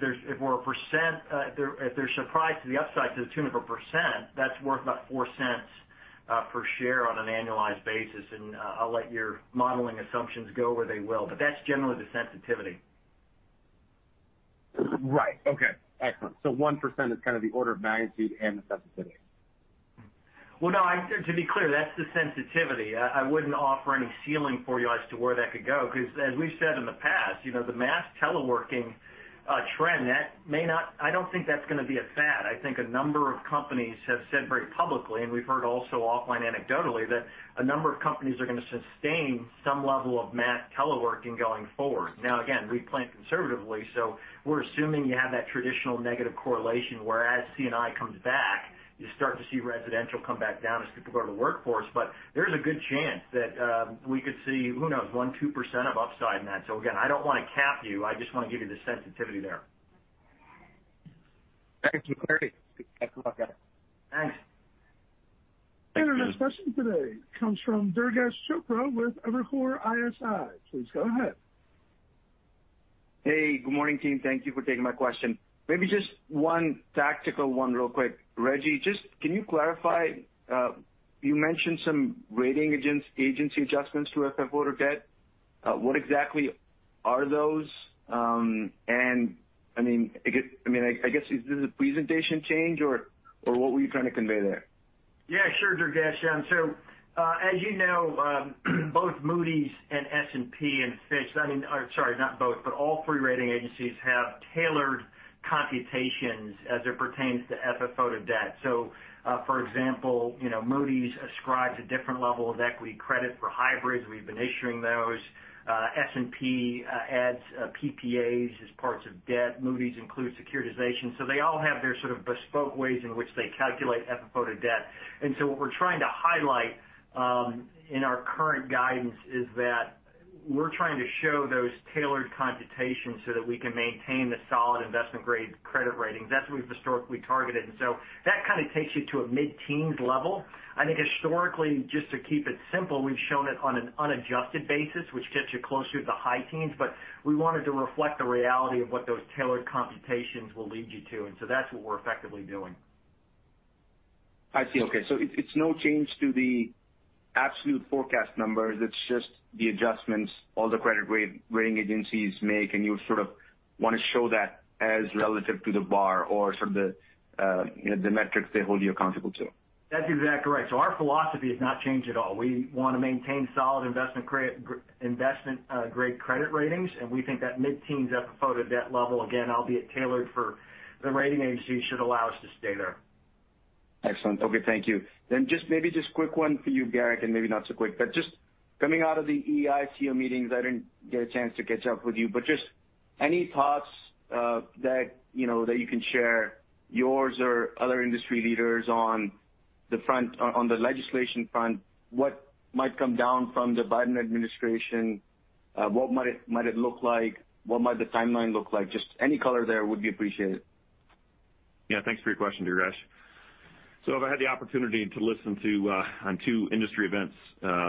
there's surprise to the upside to the tune of 1%, that's worth about $0.04 per share on an annualized basis. I'll let your modeling assumptions go where they will, but that's generally the sensitivity. Right. Okay. Excellent. 1% is kind of the order of magnitude and the sensitivity. Well, no, to be clear, that's the sensitivity. I wouldn't offer any ceiling for you as to where that could go, because as we've said in the past, the mass teleworking trend, I don't think that's going to be a fad. I think a number of companies have said very publicly, and we've heard also offline anecdotally, that a number of companies are going to sustain some level of mass teleworking going forward. Again, we plan conservatively, so we're assuming you have that traditional negative correlation where as C&I comes back, you start to see residential come back down as people go to the workforce. There's a good chance that we could see, who knows, 1%, 2% of upside in that. Again, I don't want to cap you, I just want to give you the sensitivity there. Thank you. Great. Thanks, Mark. Thanks. Our next question today comes from Durgesh Chopra with Evercore ISI. Please go ahead. Hey, good morning, team. Thank you for taking my question. Maybe just one tactical one real quick. Rejji, just can you clarify, you mentioned some rating agency adjustments to FFO to debt. What exactly are those? I guess is this a presentation change or what were you trying to convey there? Sure, Durgesh. As you know, both Moody's and S&P and Fitch, I mean, sorry, not both, but all three rating agencies have tailored computations as it pertains to FFO to debt. For example, Moody's ascribes a different level of equity credit for hybrids. We've been issuing those. S&P adds PPAs as parts of debt. Moody's includes securitization. They all have their sort of bespoke ways in which they calculate FFO to debt. What we're trying to highlight in our current guidance is that we're trying to show those tailored computations so that we can maintain the solid investment-grade credit rating. That's what we've historically targeted. That kind of takes you to a mid-teens level. I think historically, just to keep it simple, we've shown it on an unadjusted basis, which gets you closer to the high teens. We wanted to reflect the reality of what those tailored computations will lead you to. That's what we're effectively doing. I see. Okay. It's no change to the absolute forecast numbers, it's just the adjustments all the credit rating agencies make, and you sort of want to show that as relative to the bar or sort of the metrics they hold you accountable to. That's exactly right. Our philosophy has not changed at all. We want to maintain solid investment-grade credit ratings, and we think that mid-teens FFO to debt level, again, albeit tailored for the rating agencies, should allow us to stay there. Excellent. Okay, thank you. Maybe just quick one for you, Garrick, and maybe not so quick, but just coming out of the EEI CEO meetings, I didn't get a chance to catch up with you, but just any thoughts that you can share, yours or other industry leaders on the legislation front, what might come down from the Biden Administration? What might it look like? What might the timeline look like? Just any color there would be appreciated. Thanks for your question, Durgesh. I've had the opportunity to listen to on two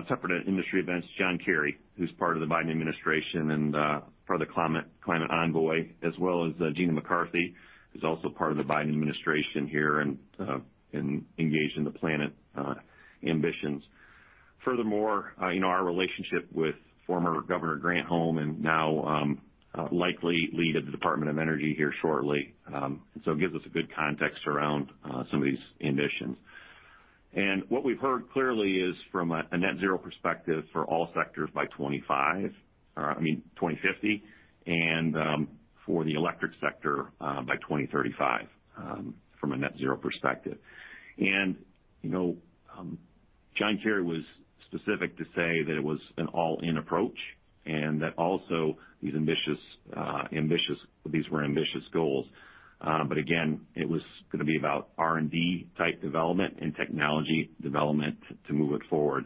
separate industry events, John Kerry, who's part of the Biden Administration and part of the climate envoy as well as Gina McCarthy, who's also part of the Biden Administration here and engaged in the planet ambitions. Furthermore our relationship with former Governor Granholm and now likely lead of the Department of Energy here shortly. It gives us a good context around some of these ambitions. What we've heard clearly is from a net zero perspective for all sectors by 2025, I mean 2050, and for the electric sector by 2035 from a net zero perspective. John Kerry was specific to say that it was an all-in approach and that also these were ambitious goals. Again, it was going to be about R&D type development and technology development to move it forward.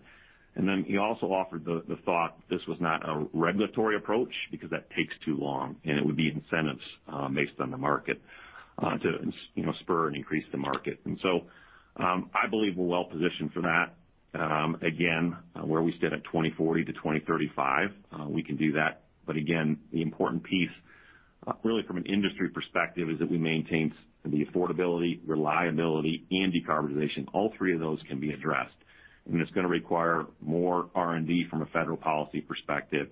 Then he also offered the thought that this was not a regulatory approach because that takes too long, and it would be incentives based on the market to spur and increase the market. I believe we're well positioned for that. Again, where we sit at 2040-2035, we can do that. Again, the important piece really from an industry perspective is that we maintain the affordability, reliability, and decarbonization. All three of those can be addressed, and it's going to require more R&D from a federal policy perspective.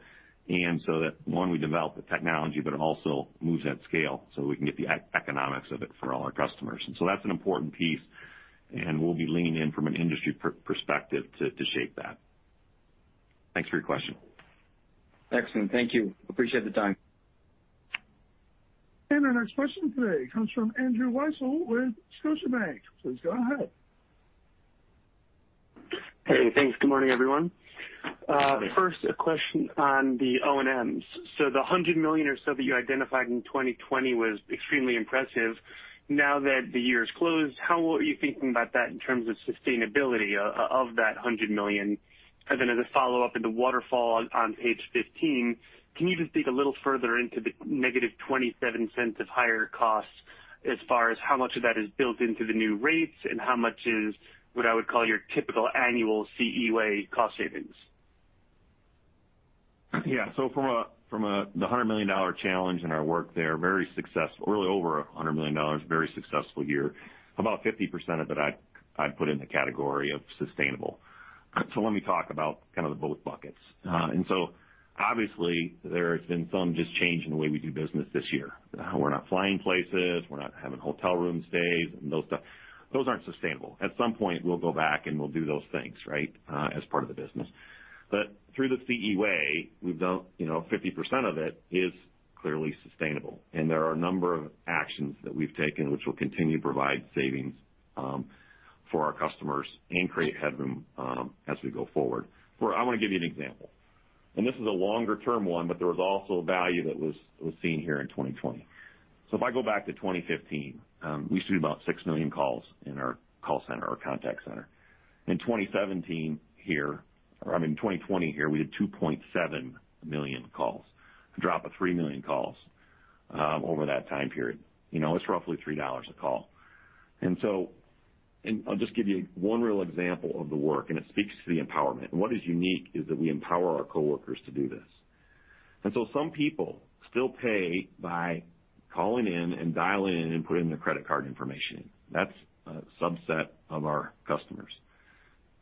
That one, we develop the technology, but it also moves at scale so we can get the economics of it for all our customers. That's an important piece, and we'll be leaning in from an industry perspective to shape that. Thanks for your question. Excellent. Thank you. Appreciate the time. Our next question today comes from Andrew Weisel with Scotiabank. Please go ahead. Hey, thanks. Good morning, everyone. A question on the O&Ms. The $100 million or so that you identified in 2020 was extremely impressive. Now that the year is closed, how are you thinking about that in terms of sustainability of that $100 million? As a follow-up in the waterfall on page 15, can you dig a little further into the -$0.27 of higher costs as far as how much of that is built into the new rates and how much is what I would call your typical annual CE Way cost savings? Yeah. From the $100 million challenge and our work there, very successful. Really over $100 million, very successful year. About 50% of it I'd put in the category of sustainable. Let me talk about the both buckets. Obviously, there has been some just change in the way we do business this year. We're not flying places, we're not having hotel room stays and those stuff. Those aren't sustainable. At some point, we'll go back and we'll do those things, right, as part of the business. Through the CE Way, 50% of it is clearly sustainable, and there are a number of actions that we've taken which will continue to provide savings for our customers and create headroom as we go forward. I want to give you an example, and this is a longer-term one, but there was also a value that was seen here in 2020. If I go back to 2015, we used to do about 6 million calls in our call center or contact center. In 2020 here, we did 2.7 million calls, a drop of 3 million calls over that time period. It's roughly $3 a call. I'll just give you one real example of the work, and it speaks to the empowerment. What is unique is that we empower our coworkers to do this. Some people still pay by calling in and dialing in and putting their credit card information in. That's a subset of our customers.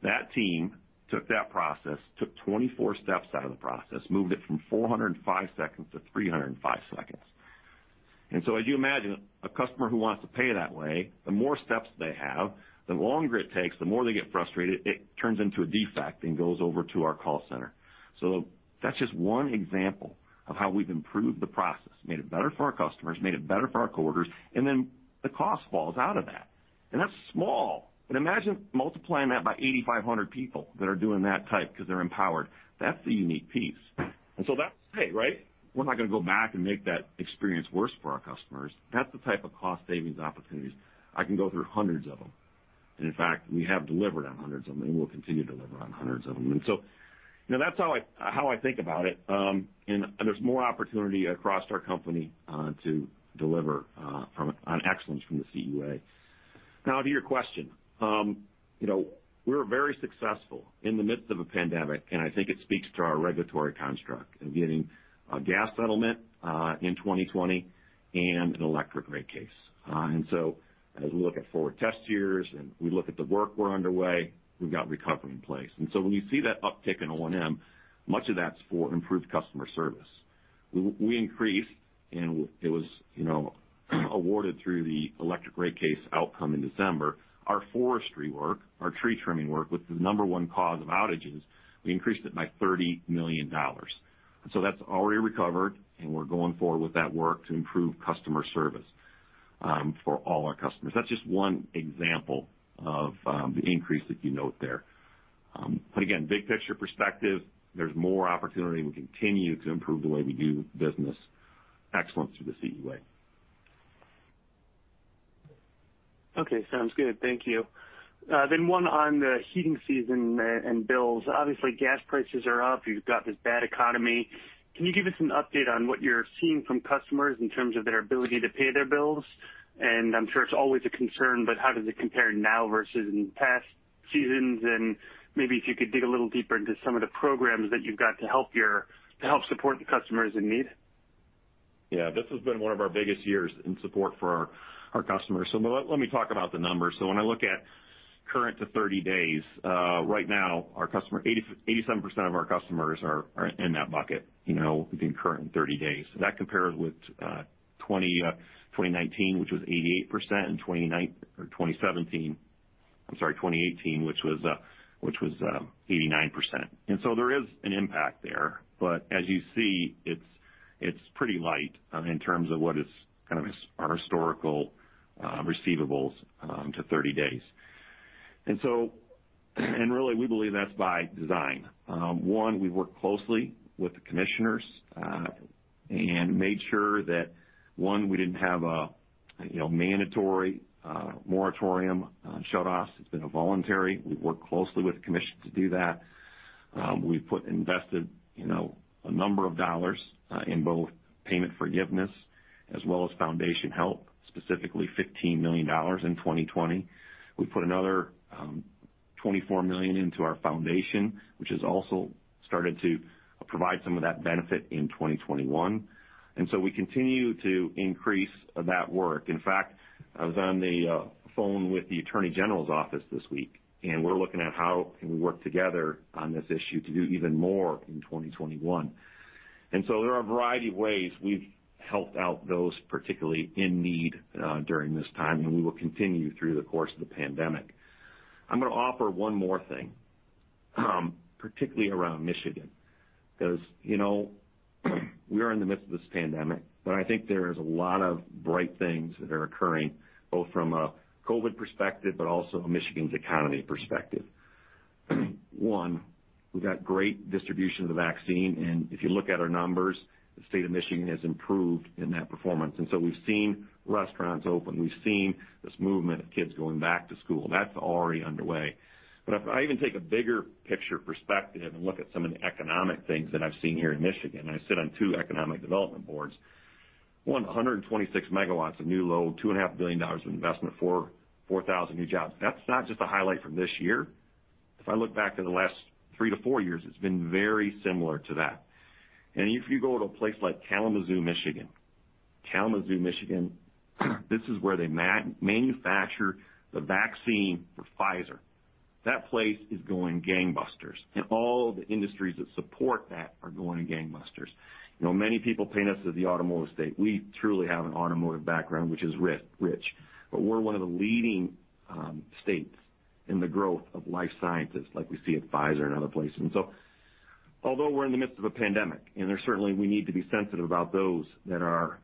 That team took that process, took 24 steps out of the process, moved it from 405 seconds-305 seconds. As you imagine, a customer who wants to pay that way, the more steps they have, the longer it takes, the more they get frustrated, it turns into a defect and goes over to our call center. That's just one example of how we've improved the process, made it better for our customers, made it better for our coworkers, and then the cost falls out of that. That's small. Imagine multiplying that by 8,500 people that are doing that type because they're empowered. That's the unique piece. That's to say, right, we're not going to go back and make that experience worse for our customers. That's the type of cost savings opportunities. I can go through hundreds of them. In fact, we have delivered on hundreds of them, and we'll continue to deliver on hundreds of them. That's how I think about it. There's more opportunity across our company to deliver on excellence from the CE Way. To your question. We're very successful in the midst of a pandemic, I think it speaks to our regulatory construct in getting a gas settlement, in 2020 and an electric rate case. As we look at forward test years and we look at the work we're underway, we've got recovery in place. When you see that uptick in O&M, much of that's for improved customer service. We increased, and it was awarded through the electric rate case outcome in December, our forestry work, our tree trimming work, which is the number one cause of outages, we increased it by $30 million. That's already recovered, and we're going forward with that work to improve customer service for all our customers. That's just one example of the increase that you note there. Again, big-picture perspective, there's more opportunity, and we continue to improve the way we do business excellence through the CE Way. Okay, sounds good. Thank you. One on the heating season and bills. Obviously, gas prices are up. You've got this bad economy. Can you give us an update on what you're seeing from customers in terms of their ability to pay their bills? I'm sure it's always a concern, but how does it compare now versus in past seasons? Maybe if you could dig a little deeper into some of the programs that you've got to help support the customers in need. Yeah. This has been one of our biggest years in support for our customers. Let me talk about the numbers. When I look at current to 30 days, right now, 87% of our customers are in that bucket, within current in 30 days. That compares with 2019, which was 88%, and 2018, which was 89%. There is an impact there. As you see, it's pretty light in terms of what is kind of our historical receivables to 30 days. Really, we believe that's by design. One, we work closely with the Commissioners and made sure that, one, we didn't have a mandatory moratorium shutoff. It's been a voluntary. We've worked closely with the Commission to do that. We've invested a number of dollars in both payment forgiveness as well as foundation help, specifically $15 million in 2020. We put another $24 million into our foundation, which has also started to provide some of that benefit in 2021. We continue to increase that work. In fact, I was on the phone with the attorney general's office this week, and we're looking at how can we work together on this issue to do even more in 2021. There are a variety of ways we've helped out those particularly in need during this time, and we will continue through the course of the pandemic. I'm going to offer one more thing, particularly around Michigan, because we are in the midst of this pandemic, but I think there is a lot of bright things that are occurring, both from a COVID perspective but also a Michigan's economy perspective. One, we've got great distribution of the vaccine. If you look at our numbers, the state of Michigan has improved in that performance. We've seen restaurants open. We've seen this movement of kids going back to school. That's already underway. If I even take a bigger picture perspective and look at some of the economic things that I've seen here in Michigan, I sit on two economic development boards. 126 MW of new load, $2.5 billion of investment, 4,000 new jobs. That's not just a highlight from this year. If I look back to the last three to four years, it's been very similar to that. If you go to a place like Kalamazoo, Michigan. Kalamazoo, Michigan, this is where they manufacture the vaccine for Pfizer. That place is going gangbusters. All of the industries that support that are going gangbusters. Many people paint us as the automotive state. We truly have an automotive background, which is rich, but we're one of the leading states in the growth of life scientists, like we see at Pfizer and other places. Although we're in the midst of a pandemic, and certainly we need to be sensitive about those that are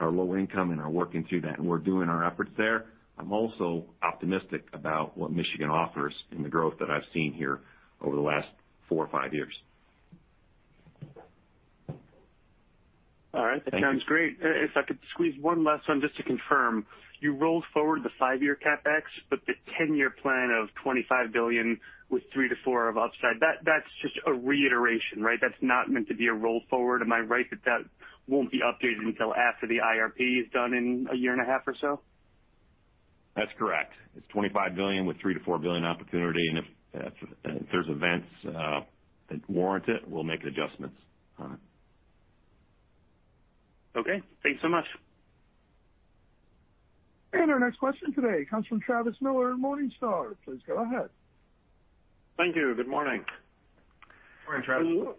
low income and are working through that, and we're doing our efforts there. I'm also optimistic about what Michigan offers and the growth that I've seen here over the last four or five years. All right. Thank you. That sounds great. If I could squeeze one last one just to confirm. You rolled forward the five-year CapEx, but the 10-year plan of $25 billion with three to four of upside, that's just a reiteration, right? That's not meant to be a roll forward. Am I right that that won't be updated until after the IRP is done in a year and a half or so? That's correct. It's $25 billion with $3 billion-$4 billion opportunity. If there's events that warrant it, we'll make adjustments on it. Okay. Thanks so much. Our next question today comes from Travis Miller in Morningstar. Please go ahead. Thank you. Good morning. Morning, Travis.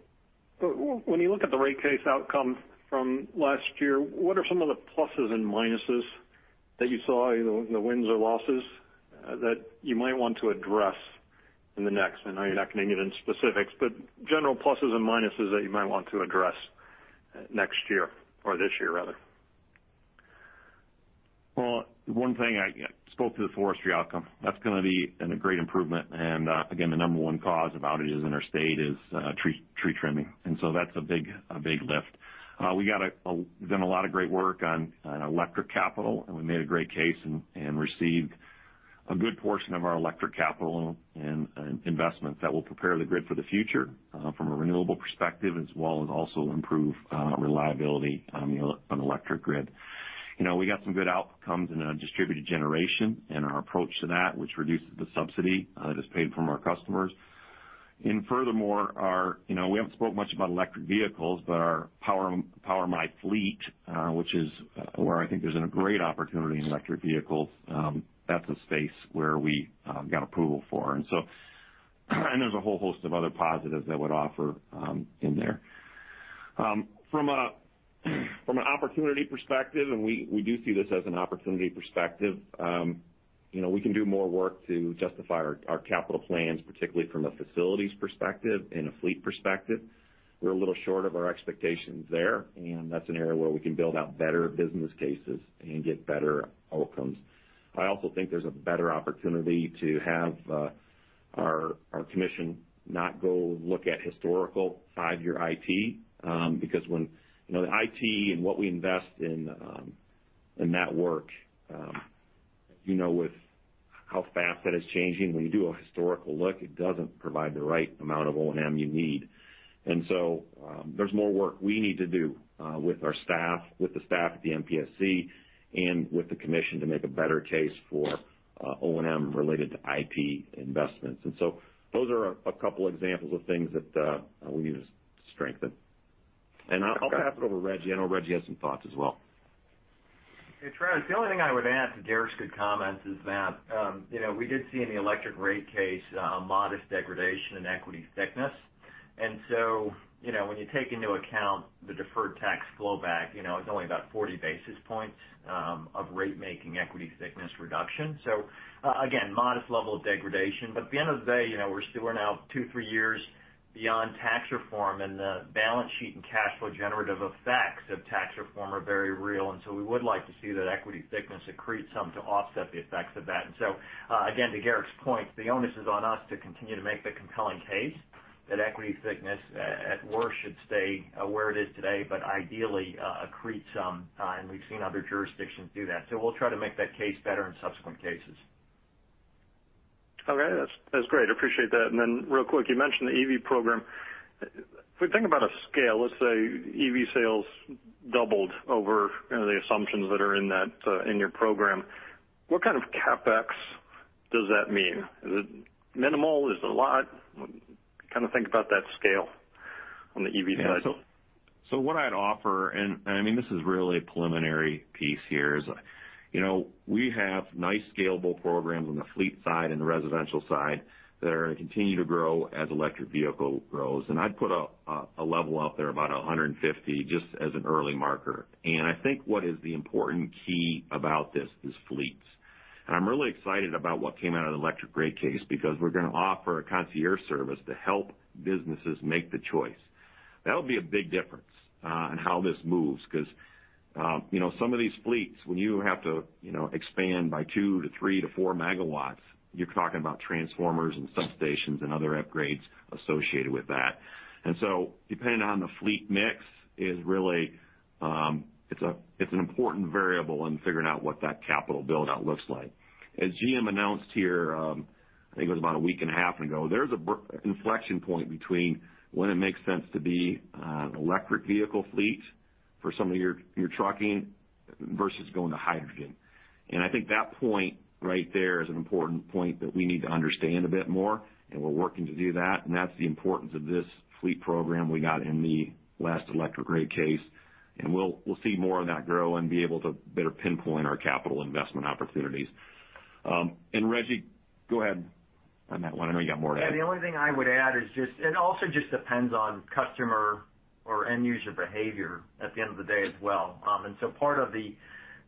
When you look at the rate case outcome from last year, what are some of the pluses and minuses that you saw, the wins or losses that you might want to address in the next? I know you're not going to get into specifics, but general pluses and minuses that you might want to address next year or this year, rather. Well, one thing, I spoke to the forestry outcome. That's going to be a great improvement, and again, the number one cause about it in our state is tree trimming. That's a big lift. We've done a lot of great work on electric capital, and we made a great case and received a good portion of our electric capital in investments that will prepare the grid for the future from a renewable perspective as well as also improve reliability on the electric grid. We got some good outcomes in our distributed generation and our approach to that, which reduces the subsidy that is paid from our customers. We haven't spoke much about electric vehicles, but our PowerMIFleet, which is where I think there's a great opportunity in electric vehicles. That's a space where we got approval for. There's a whole host of other positives that would offer in there. From an opportunity perspective, we can do more work to justify our capital plans, particularly from a facilities perspective and a fleet perspective. We're a little short of our expectations there, that's an area where we can build out better business cases and get better outcomes. I also think there's a better opportunity to have our commission not go look at historical five-year IT. When the IT and what we invest in that work, with how fast that is changing, when you do a historical look, it doesn't provide the right amount of O&M you need. There's more work we need to do with our staff, with the staff at the MPSC and with the commission to make a better case for O&M related to IT investments. Those are a couple examples of things that we need to strengthen. I'll pass it over to Rejji. I know Rejji has some thoughts as well. Hey, Travis. The only thing I would add to Garrick's good comments is that we did see in the electric rate case a modest degradation in equity thickness. When you take into account the deferred tax flowback, it's only about 40 basis points of rate-making equity thickness reduction. Again, modest level of degradation. At the end of the day, we're now two, three years beyond tax reform, and the balance sheet and cash flow generative effects of tax reform are very real. We would like to see that equity thickness accrete some to offset the effects of that. Again, to Garrick's point, the onus is on us to continue to make the compelling case that equity thickness at worst should stay where it is today, but ideally accrete some. We've seen other jurisdictions do that. We'll try to make that case better in subsequent cases. Okay. That's great. Appreciate that. Then real quick, you mentioned the EV program. If we think about a scale, let's say EV sales doubled over the assumptions that are in your program. What kind of CapEx does that mean? Is it minimal? Is it a lot? Think about that scale on the EV side. What I'd offer, and this is really a preliminary piece here, is we have nice scalable programs on the fleet side and the residential side that are going to continue to grow as electric vehicle grows. I'd put a level out there, about 150, just as an early marker. I think what is the important key about this is fleets. I'm really excited about what came out of the electric rate case because we're going to offer a concierge service to help businesses make the choice. That'll be a big difference on how this moves because some of these fleets, when you have to expand by 2 MW-3 MW-4 MW, you're talking about transformers and substations and other upgrades associated with that. Depending on the fleet mix is really an important variable in figuring out what that capital build-out looks like. As GM announced here, I think it was about a week and a half ago, there's an inflection point between when it makes sense to be an electric vehicle fleet for some of your trucking versus going to hydrogen. I think that point right there is an important point that we need to understand a bit more, and we're working to do that, and that's the importance of this fleet program we got in the last electric rate case. We'll see more of that grow and be able to better pinpoint our capital investment opportunities. Rejji, go ahead on that one. I know you got more to add. Yeah. The only thing I would add is just, it also just depends on customer or end-user behavior at the end of the day as well. Part of the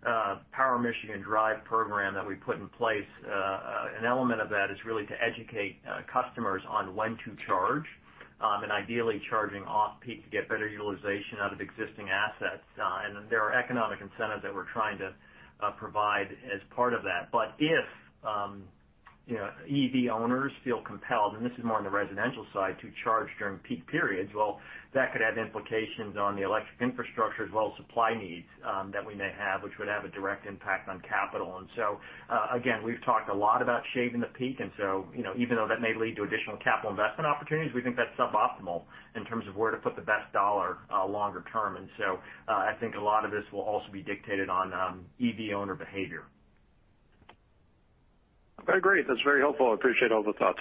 PowerMIDrive program that we put in place, an element of that is really to educate customers on when to charge, and ideally charging off-peak to get better utilization out of existing assets. There are economic incentives that we're trying to provide as part of that. If EV owners feel compelled, and this is more on the residential side, to charge during peak periods, well, that could have implications on the electric infrastructure as well as supply needs that we may have, which would have a direct impact on capital. Again, we've talked a lot about shaving the peak, and so even though that may lead to additional capital investment opportunities, we think that's suboptimal in terms of where to put the best dollar longer-term. I think a lot of this will also be dictated on EV owner behavior. Very great. That's very helpful. I appreciate all the thoughts.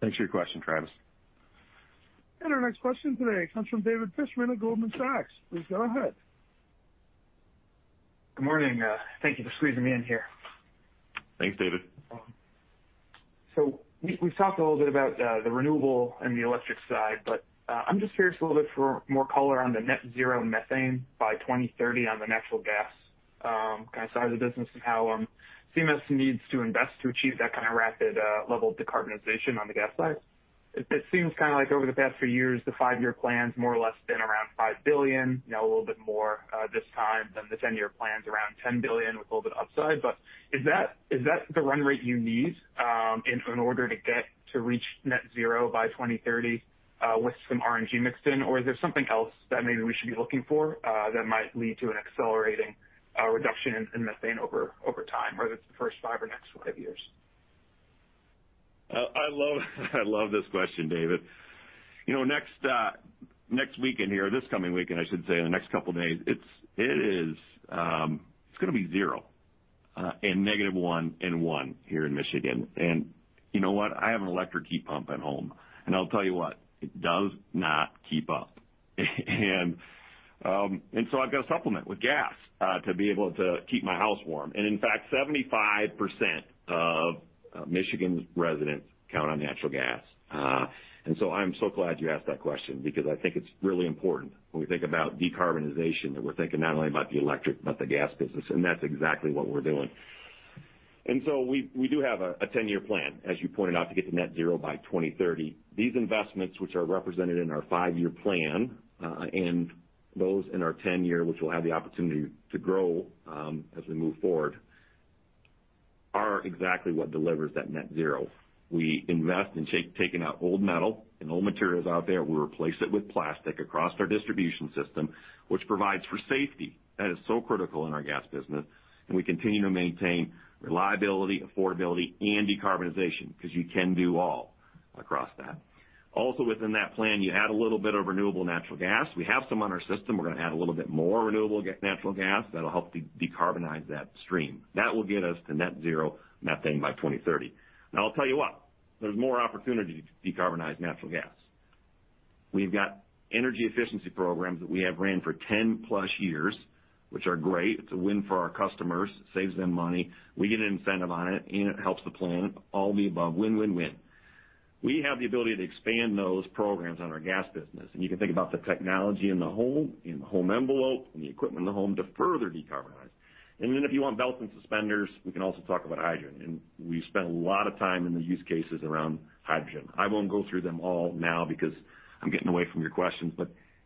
Thanks for your question, Travis. Our next question today comes from David Fishman of Goldman Sachs. Please go ahead. Good morning. Thank you for squeezing me in here. Thanks, David. We've talked a little bit about the renewable and the electric side, but I'm just curious a little bit for more color on the net zero methane by 2030 on the natural gas kind of side of the business and how CMS needs to invest to achieve that kind of rapid level of decarbonization on the gas side. It seems like over the past few years, the five-year plan's more or less been around $5 billion, now a little bit more this time than the 10-year plan's around $10 billion with a little bit upside. Is that the run rate you need in order to get to reach net zero by 2030 with some RNG mixed in? Is there something else that maybe we should be looking for that might lead to an accelerating reduction in methane over time, whether it's the first five or next five years? I love this question, David. Next weekend here, this coming weekend, I should say, in the next couple of days, it's going to be zero and negative one and one here in Michigan. You know what? I have an electric heat pump at home. I'll tell you what, it does not keep up. I've got to supplement with gas to be able to keep my house warm. In fact, 75% of Michigan's residents count on natural gas. I'm so glad you asked that question because I think it's really important when we think about decarbonization, that we're thinking not only about the electric, but the gas business, and that's exactly what we're doing. We do have a 10-year plan, as you pointed out, to get to net zero by 2030. These investments, which are represented in our five-year plan, and those in our 10-year, which will have the opportunity to grow as we move forward, are exactly what delivers that net zero. We invest in taking out old metal and old materials out there. We replace it with plastic across our distribution system, which provides for safety. That is so critical in our gas business, and we continue to maintain reliability, affordability, and decarbonization because you can do all across that. Also within that plan, you add a little bit of renewable natural gas. We have some on our system. We're going to add a little bit more renewable natural gas. That'll help decarbonize that stream. That will get us to net zero methane by 2030. I'll tell you what, there's more opportunity to decarbonize natural gas. We've got energy efficiency programs that we have run for 10-plus years, which are great. It's a win for our customers, saves them money. We get an incentive on it, and it helps the planet. All the above. Win, win. We have the ability to expand those programs on our gas business, and you can think about the technology in the home, in the home envelope, in the equipment in the home to further decarbonize. If you want belts and suspenders, we can also talk about hydrogen, and we spend a lot of time in the use cases around hydrogen. I won't go through them all now because I'm getting away from your questions.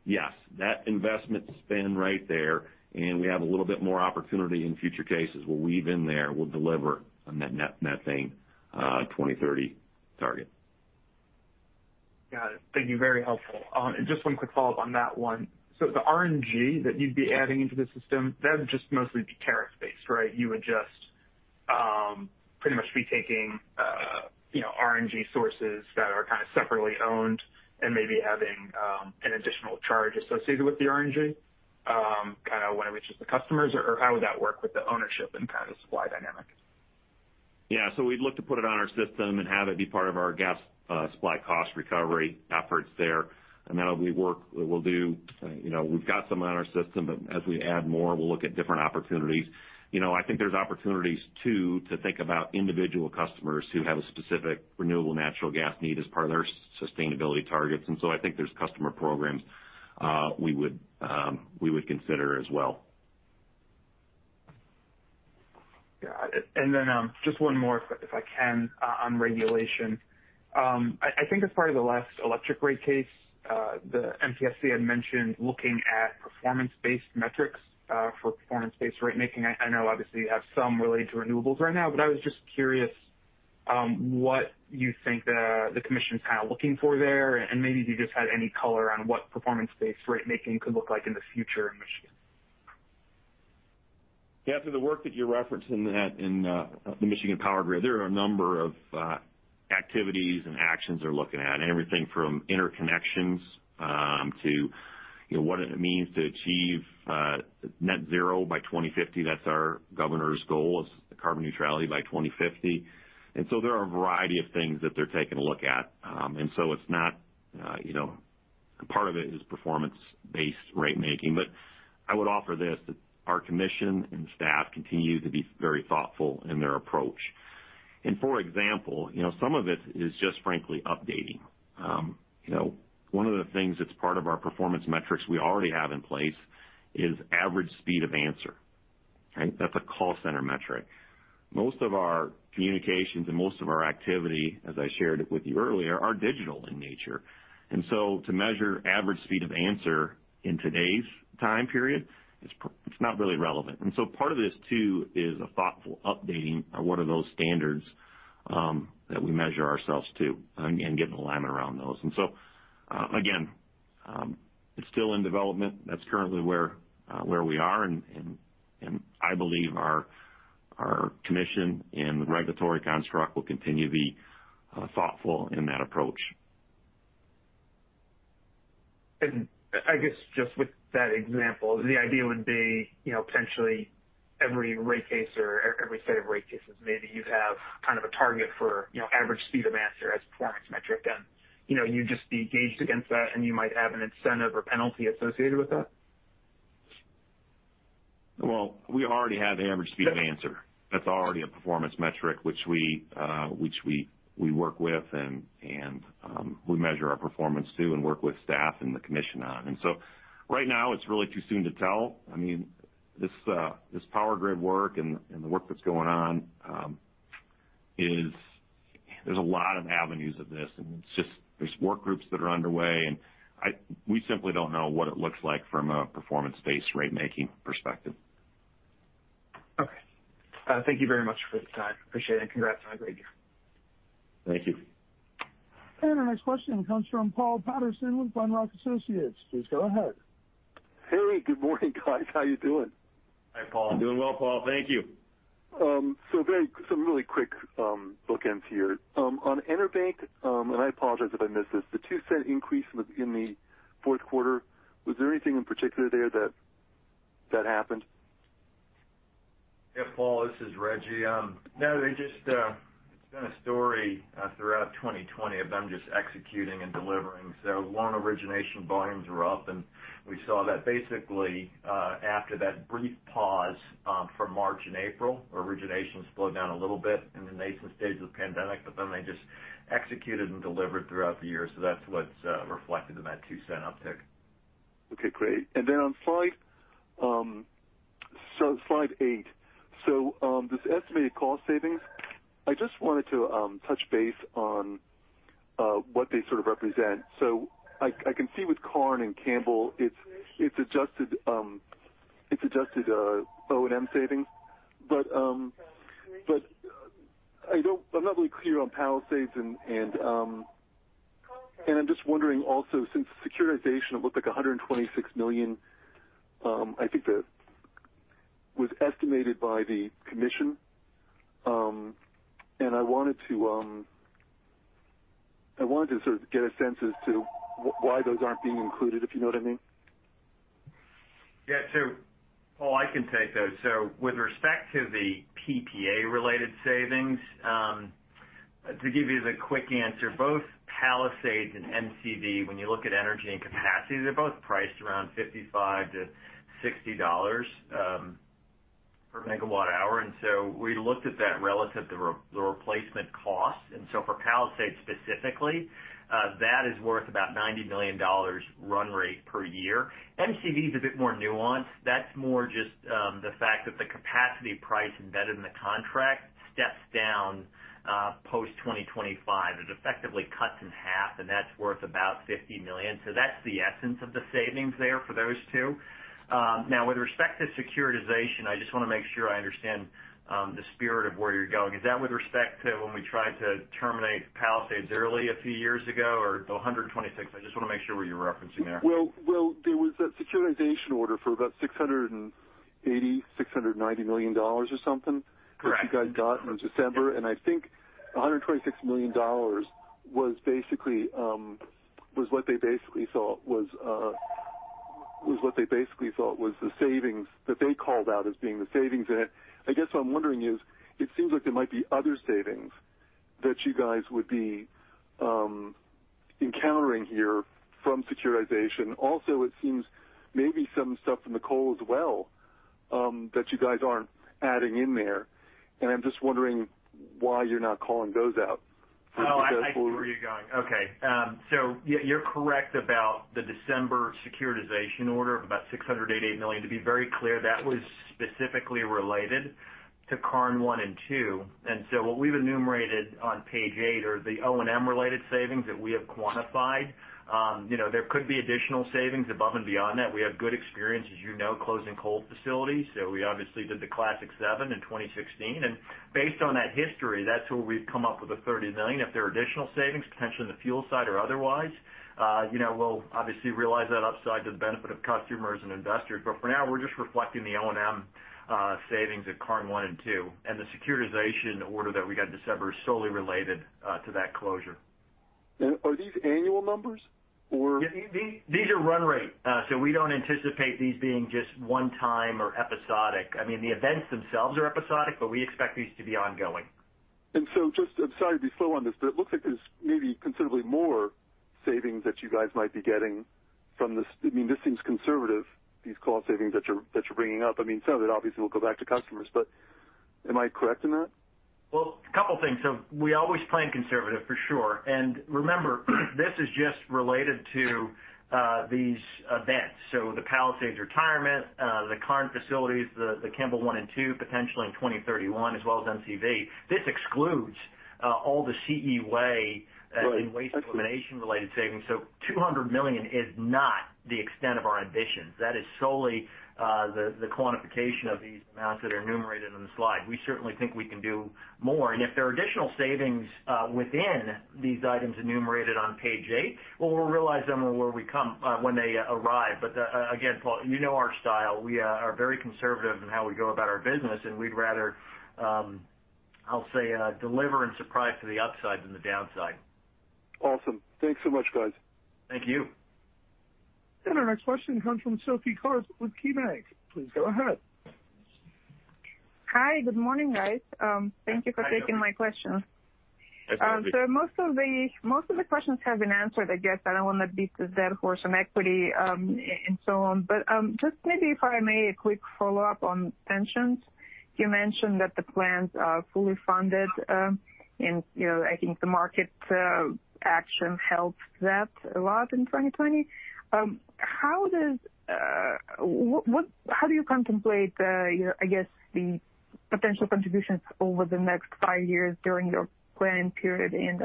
Yes, that investment spend right there, and we have a little bit more opportunity in future cases we'll weave in there, will deliver on that net methane 2030 target. Got it. Thank you. Very helpful. Just one quick follow-up on that one. The RNG that you'd be adding into the system, that would just mostly be tariff-based, right? You would just pretty much be taking RNG sources that are kind of separately owned and maybe having an additional charge associated with the RNG when it reaches the customers? How would that work with the ownership and kind of supply dynamic? Yeah. We'd look to put it on our system and have it be part of our gas supply cost recovery efforts there. We've got some on our system, but as we add more, we'll look at different opportunities. I think there's opportunities, too, to think about individual customers who have a specific renewable natural gas need as part of their sustainability targets. I think there's customer programs we would consider as well. Yeah. Then just one more, if I can, on regulation. I think as part of the last electric rate case, the MPSC had mentioned looking at performance-based metrics for performance-based ratemaking. I know obviously you have some related to renewables right now, I was just curious what you think the commission's kind of looking for there and maybe if you just had any color on what performance-based ratemaking could look like in the future in Michigan. Yeah, for the work that you're referencing that in the MI Power Grid, there are a number of activities and actions they're looking at, everything from interconnections to what it means to achieve net zero by 2050. That's our governor's goal, is carbon neutrality by 2050. There are a variety of things that they're taking a look at. Part of it is performance-based rate making. I would offer this, that our commission and staff continue to be very thoughtful in their approach. For example, some of it is just, frankly, updating. One of the things that's part of our performance metrics we already have in place is average speed of answer. That's a call center metric. Most of our communications and most of our activity, as I shared with you earlier, are digital in nature. To measure average speed of answer in today's time period, it's not really relevant. Part of this too is a thoughtful updating of what are those standards that we measure ourselves to and get alignment around those. Again, it's still in development. That's currently where we are. I believe our commission and the regulatory construct will continue to be thoughtful in that approach. I guess just with that example, the idea would be potentially every rate case or every set of rate cases, maybe you'd have kind of a target for average speed of answer as a performance metric, and you'd just be gauged against that, and you might have an incentive or penalty associated with that? Well, we already have average speed of answer. That's already a performance metric which we work with, and we measure our performance to and work with staff and the commission on. Right now it's really too soon to tell. This power grid work and the work that's going on, there's a lot of avenues of this, and there's work groups that are underway. We simply don't know what it looks like from a performance-based rate making perspective. Okay. Thank you very much for the time. Appreciate it, and congrats on a great year. Thank you. Our next question comes from Paul Patterson with Glenrock Associates. Please go ahead. Hey, good morning, guys. How you doing? Hi, Paul. Doing well, Paul. Thank you. Some really quick bookends here. On EnerBank, and I apologize if I missed this, the $0.02 increase in the fourth quarter, was there anything in particular there that happened? Paul, this is Rejji. It's been a story throughout 2020 of them just executing and delivering. Loan origination volumes were up, and we saw that basically after that brief pause for March and April, originations slowed down a little bit in the nascent stages of the pandemic, they just executed and delivered throughout the year. That's what's reflected in that $0.02 uptick. Okay, great. On slide eight, this estimated cost savings, I just wanted to touch base on what they sort of represent. I can see with Karn and Campbell, it's adjusted O&M savings. I'm not really clear on Palisades, and I'm just wondering also, since securitization, it looked like $126 million, I think that was estimated by the Commission. I wanted to sort of get a sense as to why those aren't being included, if you know what I mean. Yeah. Paul, I can take those. With respect to the PPA-related savings, to give you the quick answer, both Palisades and MCV, when you look at energy and capacity, they're both priced around $55-$60 per megawatt hour. We looked at that relative to the replacement cost. For Palisades specifically, that is worth about $90 million run rate per year. MCV is a bit more nuanced. That's more just the fact that the capacity price embedded in the contract steps down post-2025. It effectively cuts in half, and that's worth about $50 million. That's the essence of the savings there for those two. Now, with respect to securitization, I just want to make sure I understand the spirit of where you're going. Is that with respect to when we tried to terminate Palisades early a few years ago or the $126? I just want to make sure what you're referencing there. Well, there was that securitization order for about $680 million, $690 million or something. Correct that you guys got in December. I think $126 million was what they basically thought was the savings that they called out as being the savings in it. I guess what I'm wondering is, it seems like there might be other savings that you guys would be encountering here from securitization. It seems maybe some stuff from the coal as well that you guys aren't adding in there. I'm just wondering why you're not calling those out. Oh, I see where you're going. Okay. You're correct about the December securitization order of about $688 million. To be very clear, that was specifically related to Karn 1 and 2. What we've enumerated on page eight are the O&M-related savings that we have quantified. There could be additional savings above and beyond that. We have good experience, as you know, closing coal facilities. We obviously did the Classic Seven in 2016. Based on that history, that's where we've come up with the $30 million. If there are additional savings, potentially on the fuel side or otherwise, we'll obviously realize that upside to the benefit of customers and investors. For now, we're just reflecting the O&M savings at Karn 1 and 2, and the securitization order that we got in December is solely related to that closure. Are these annual numbers or-? Yeah, these are run rate. We don't anticipate these being just one time or episodic. I mean, the events themselves are episodic, but we expect these to be ongoing. Just, I'm sorry to be slow on this, but it looks like there's maybe considerably more savings that you guys might be getting from this. I mean, this seems conservative, these cost savings that you're bringing up. I mean, some of it obviously will go back to customers, but am I correct in that? Well, a couple things. We always plan conservative, for sure. Remember, this is just related to these events. The Palisades retirement, the current facilities, the Campbell 1 and 2, potentially in 2031, as well as MCV. This excludes all the CE Way. Right. Elimination-related savings. $200 million is not the extent of our ambitions. That is solely the quantification of these amounts that are enumerated on the slide. We certainly think we can do more. If there are additional savings within these items enumerated on page eight, well, we'll realize them when they arrive. Again, Paul, you know our style. We are very conservative in how we go about our business, and we'd rather, I'll say, deliver and surprise to the upside than the downside. Awesome. Thanks so much, guys. Thank you. Our next question comes from Sophie Karp with KeyBanc. Please go ahead. Hi. Good morning, guys. Thank you for- Hi, Sophie taking my question. Hi, Sophie. Most of the questions have been answered, I guess. I don't want to beat the dead horse on equity and so on. Just maybe if I may, a quick follow-up on pensions. You mentioned that the plans are fully funded, and I think the market action helped that a lot in 2020. How do you contemplate the potential contributions over the next five years during your planning period, and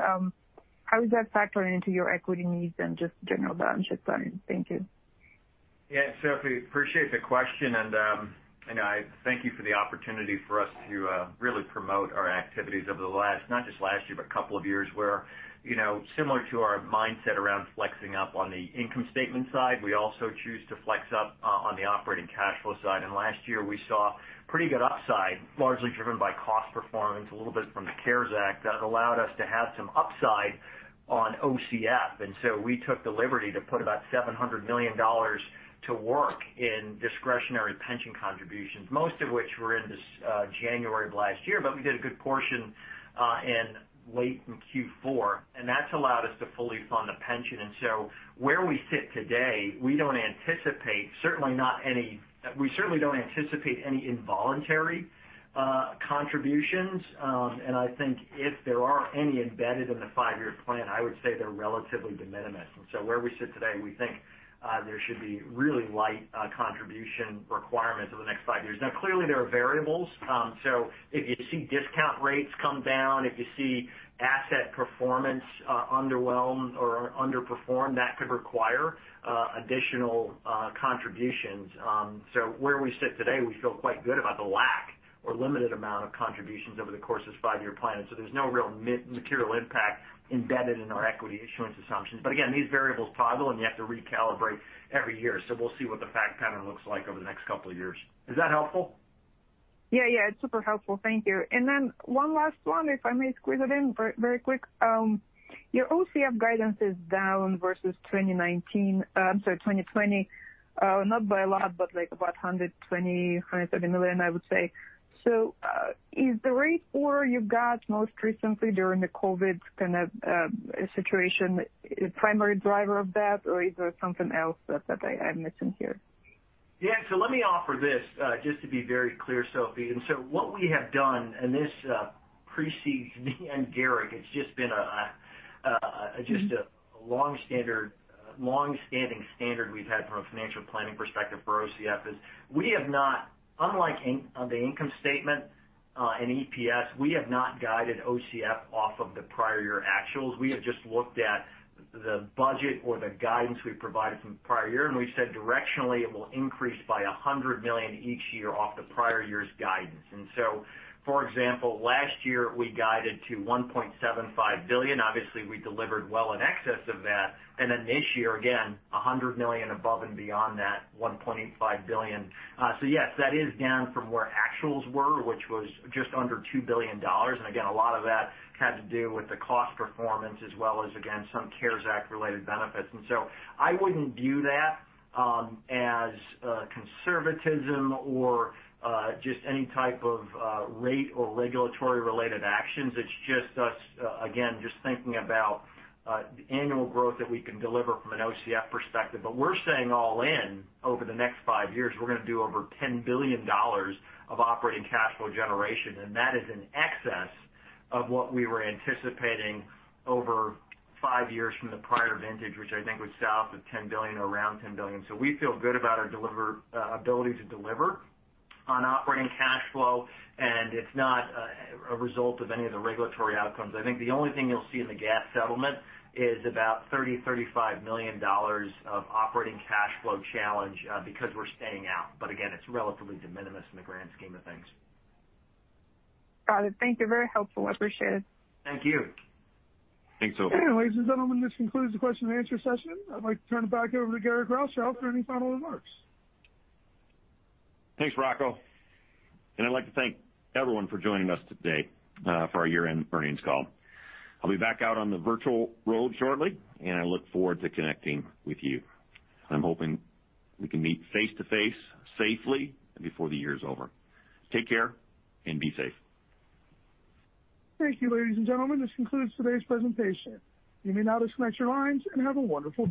how is that factoring into your equity needs and just general balance sheet planning? Thank you. Sophie, appreciate the question, and I thank you for the opportunity for us to really promote our activities over the last, not just last year, but couple of years, where similar to our mindset around flexing up on the income statement side, we also choose to flex up on the operating cash flow side. Last year, we saw pretty good upside, largely driven by cost performance, a little bit from the CARES Act, that allowed us to have some upside on OCF. We took the liberty to put about $700 million to work in discretionary pension contributions, most of which were in January of last year. We did a good portion in late in Q4, and that's allowed us to fully fund the pension. Where we sit today, we certainly don't anticipate any involuntary contributions. I think if there are any embedded in the five-year plan, I would say they're relatively de minimis. Where we sit today, we think there should be really light contribution requirements over the next five years. Now, clearly, there are variables. If you see discount rates come down, if you see asset performance underwhelm or underperform, that could require additional contributions. Where we sit today, we feel quite good about the lack or limited amount of contributions over the course of this five-year plan. There's no real material impact embedded in our equity issuance assumptions. Again, these variables toggle, and you have to recalibrate every year. We'll see what the fact pattern looks like over the next couple of years. Is that helpful? Yeah. It's super helpful. Thank you. One last one, if I may squeeze it in very quick. Your OCF guidance is down versus 2019, I'm sorry, 2020, not by a lot, but like about $120 million, $130 million, I would say. Is the rate four you got most recently during the COVID kind of situation a primary driver of that, or is there something else that I'm missing here? Let me offer this just to be very clear, Sophie. What we have done, and this precedes me and Garrick, it's just been a long-standing standard we've had from a financial planning perspective for OCF is we have not, unlike on the income statement and EPS, we have not guided OCF off of the prior year actuals. We have just looked at the budget or the guidance we provided from the prior year, and we've said directionally, it will increase by $100 million each year off the prior year's guidance. For example, last year, we guided to $1.75 billion. Obviously, we delivered well in excess of that. Then this year, again, $100 million above and beyond that $1.85 billion. Yes, that is down from where actuals were, which was just under $2 billion. Again, a lot of that had to do with the cost performance as well as, again, some CARES Act-related benefits. I wouldn't view that as conservatism or just any type of rate or regulatory-related actions. It's just us, again, just thinking about the annual growth that we can deliver from an OCF perspective. We're saying all in over the next five years, we're going to do over $10 billion of operating cash flow generation, and that is in excess of what we were anticipating over five years from the prior vintage, which I think was south of $10 billion or around $10 billion. We feel good about our ability to deliver on operating cash flow, and it's not a result of any of the regulatory outcomes. I think the only thing you'll see in the gas settlement is about $30 million-$35 million of operating cash flow challenge because we're staying out. Again, it's relatively de minimis in the grand scheme of things. Got it. Thank you. Very helpful. I appreciate it. Thank you. Thanks, Sophie. Ladies and gentlemen, this concludes the question-and answer-session. I'd like to turn it back over to Garrick Rochow for any final remarks. Thanks, Rocco. I'd like to thank everyone for joining us today for our year-end earnings call. I'll be back out on the virtual road shortly, and I look forward to connecting with you. I'm hoping we can meet face-to-face safely before the year is over. Take care and be safe. Thank you, ladies and gentlemen. This concludes today's presentation. You may now disconnect your lines, and have a wonderful day.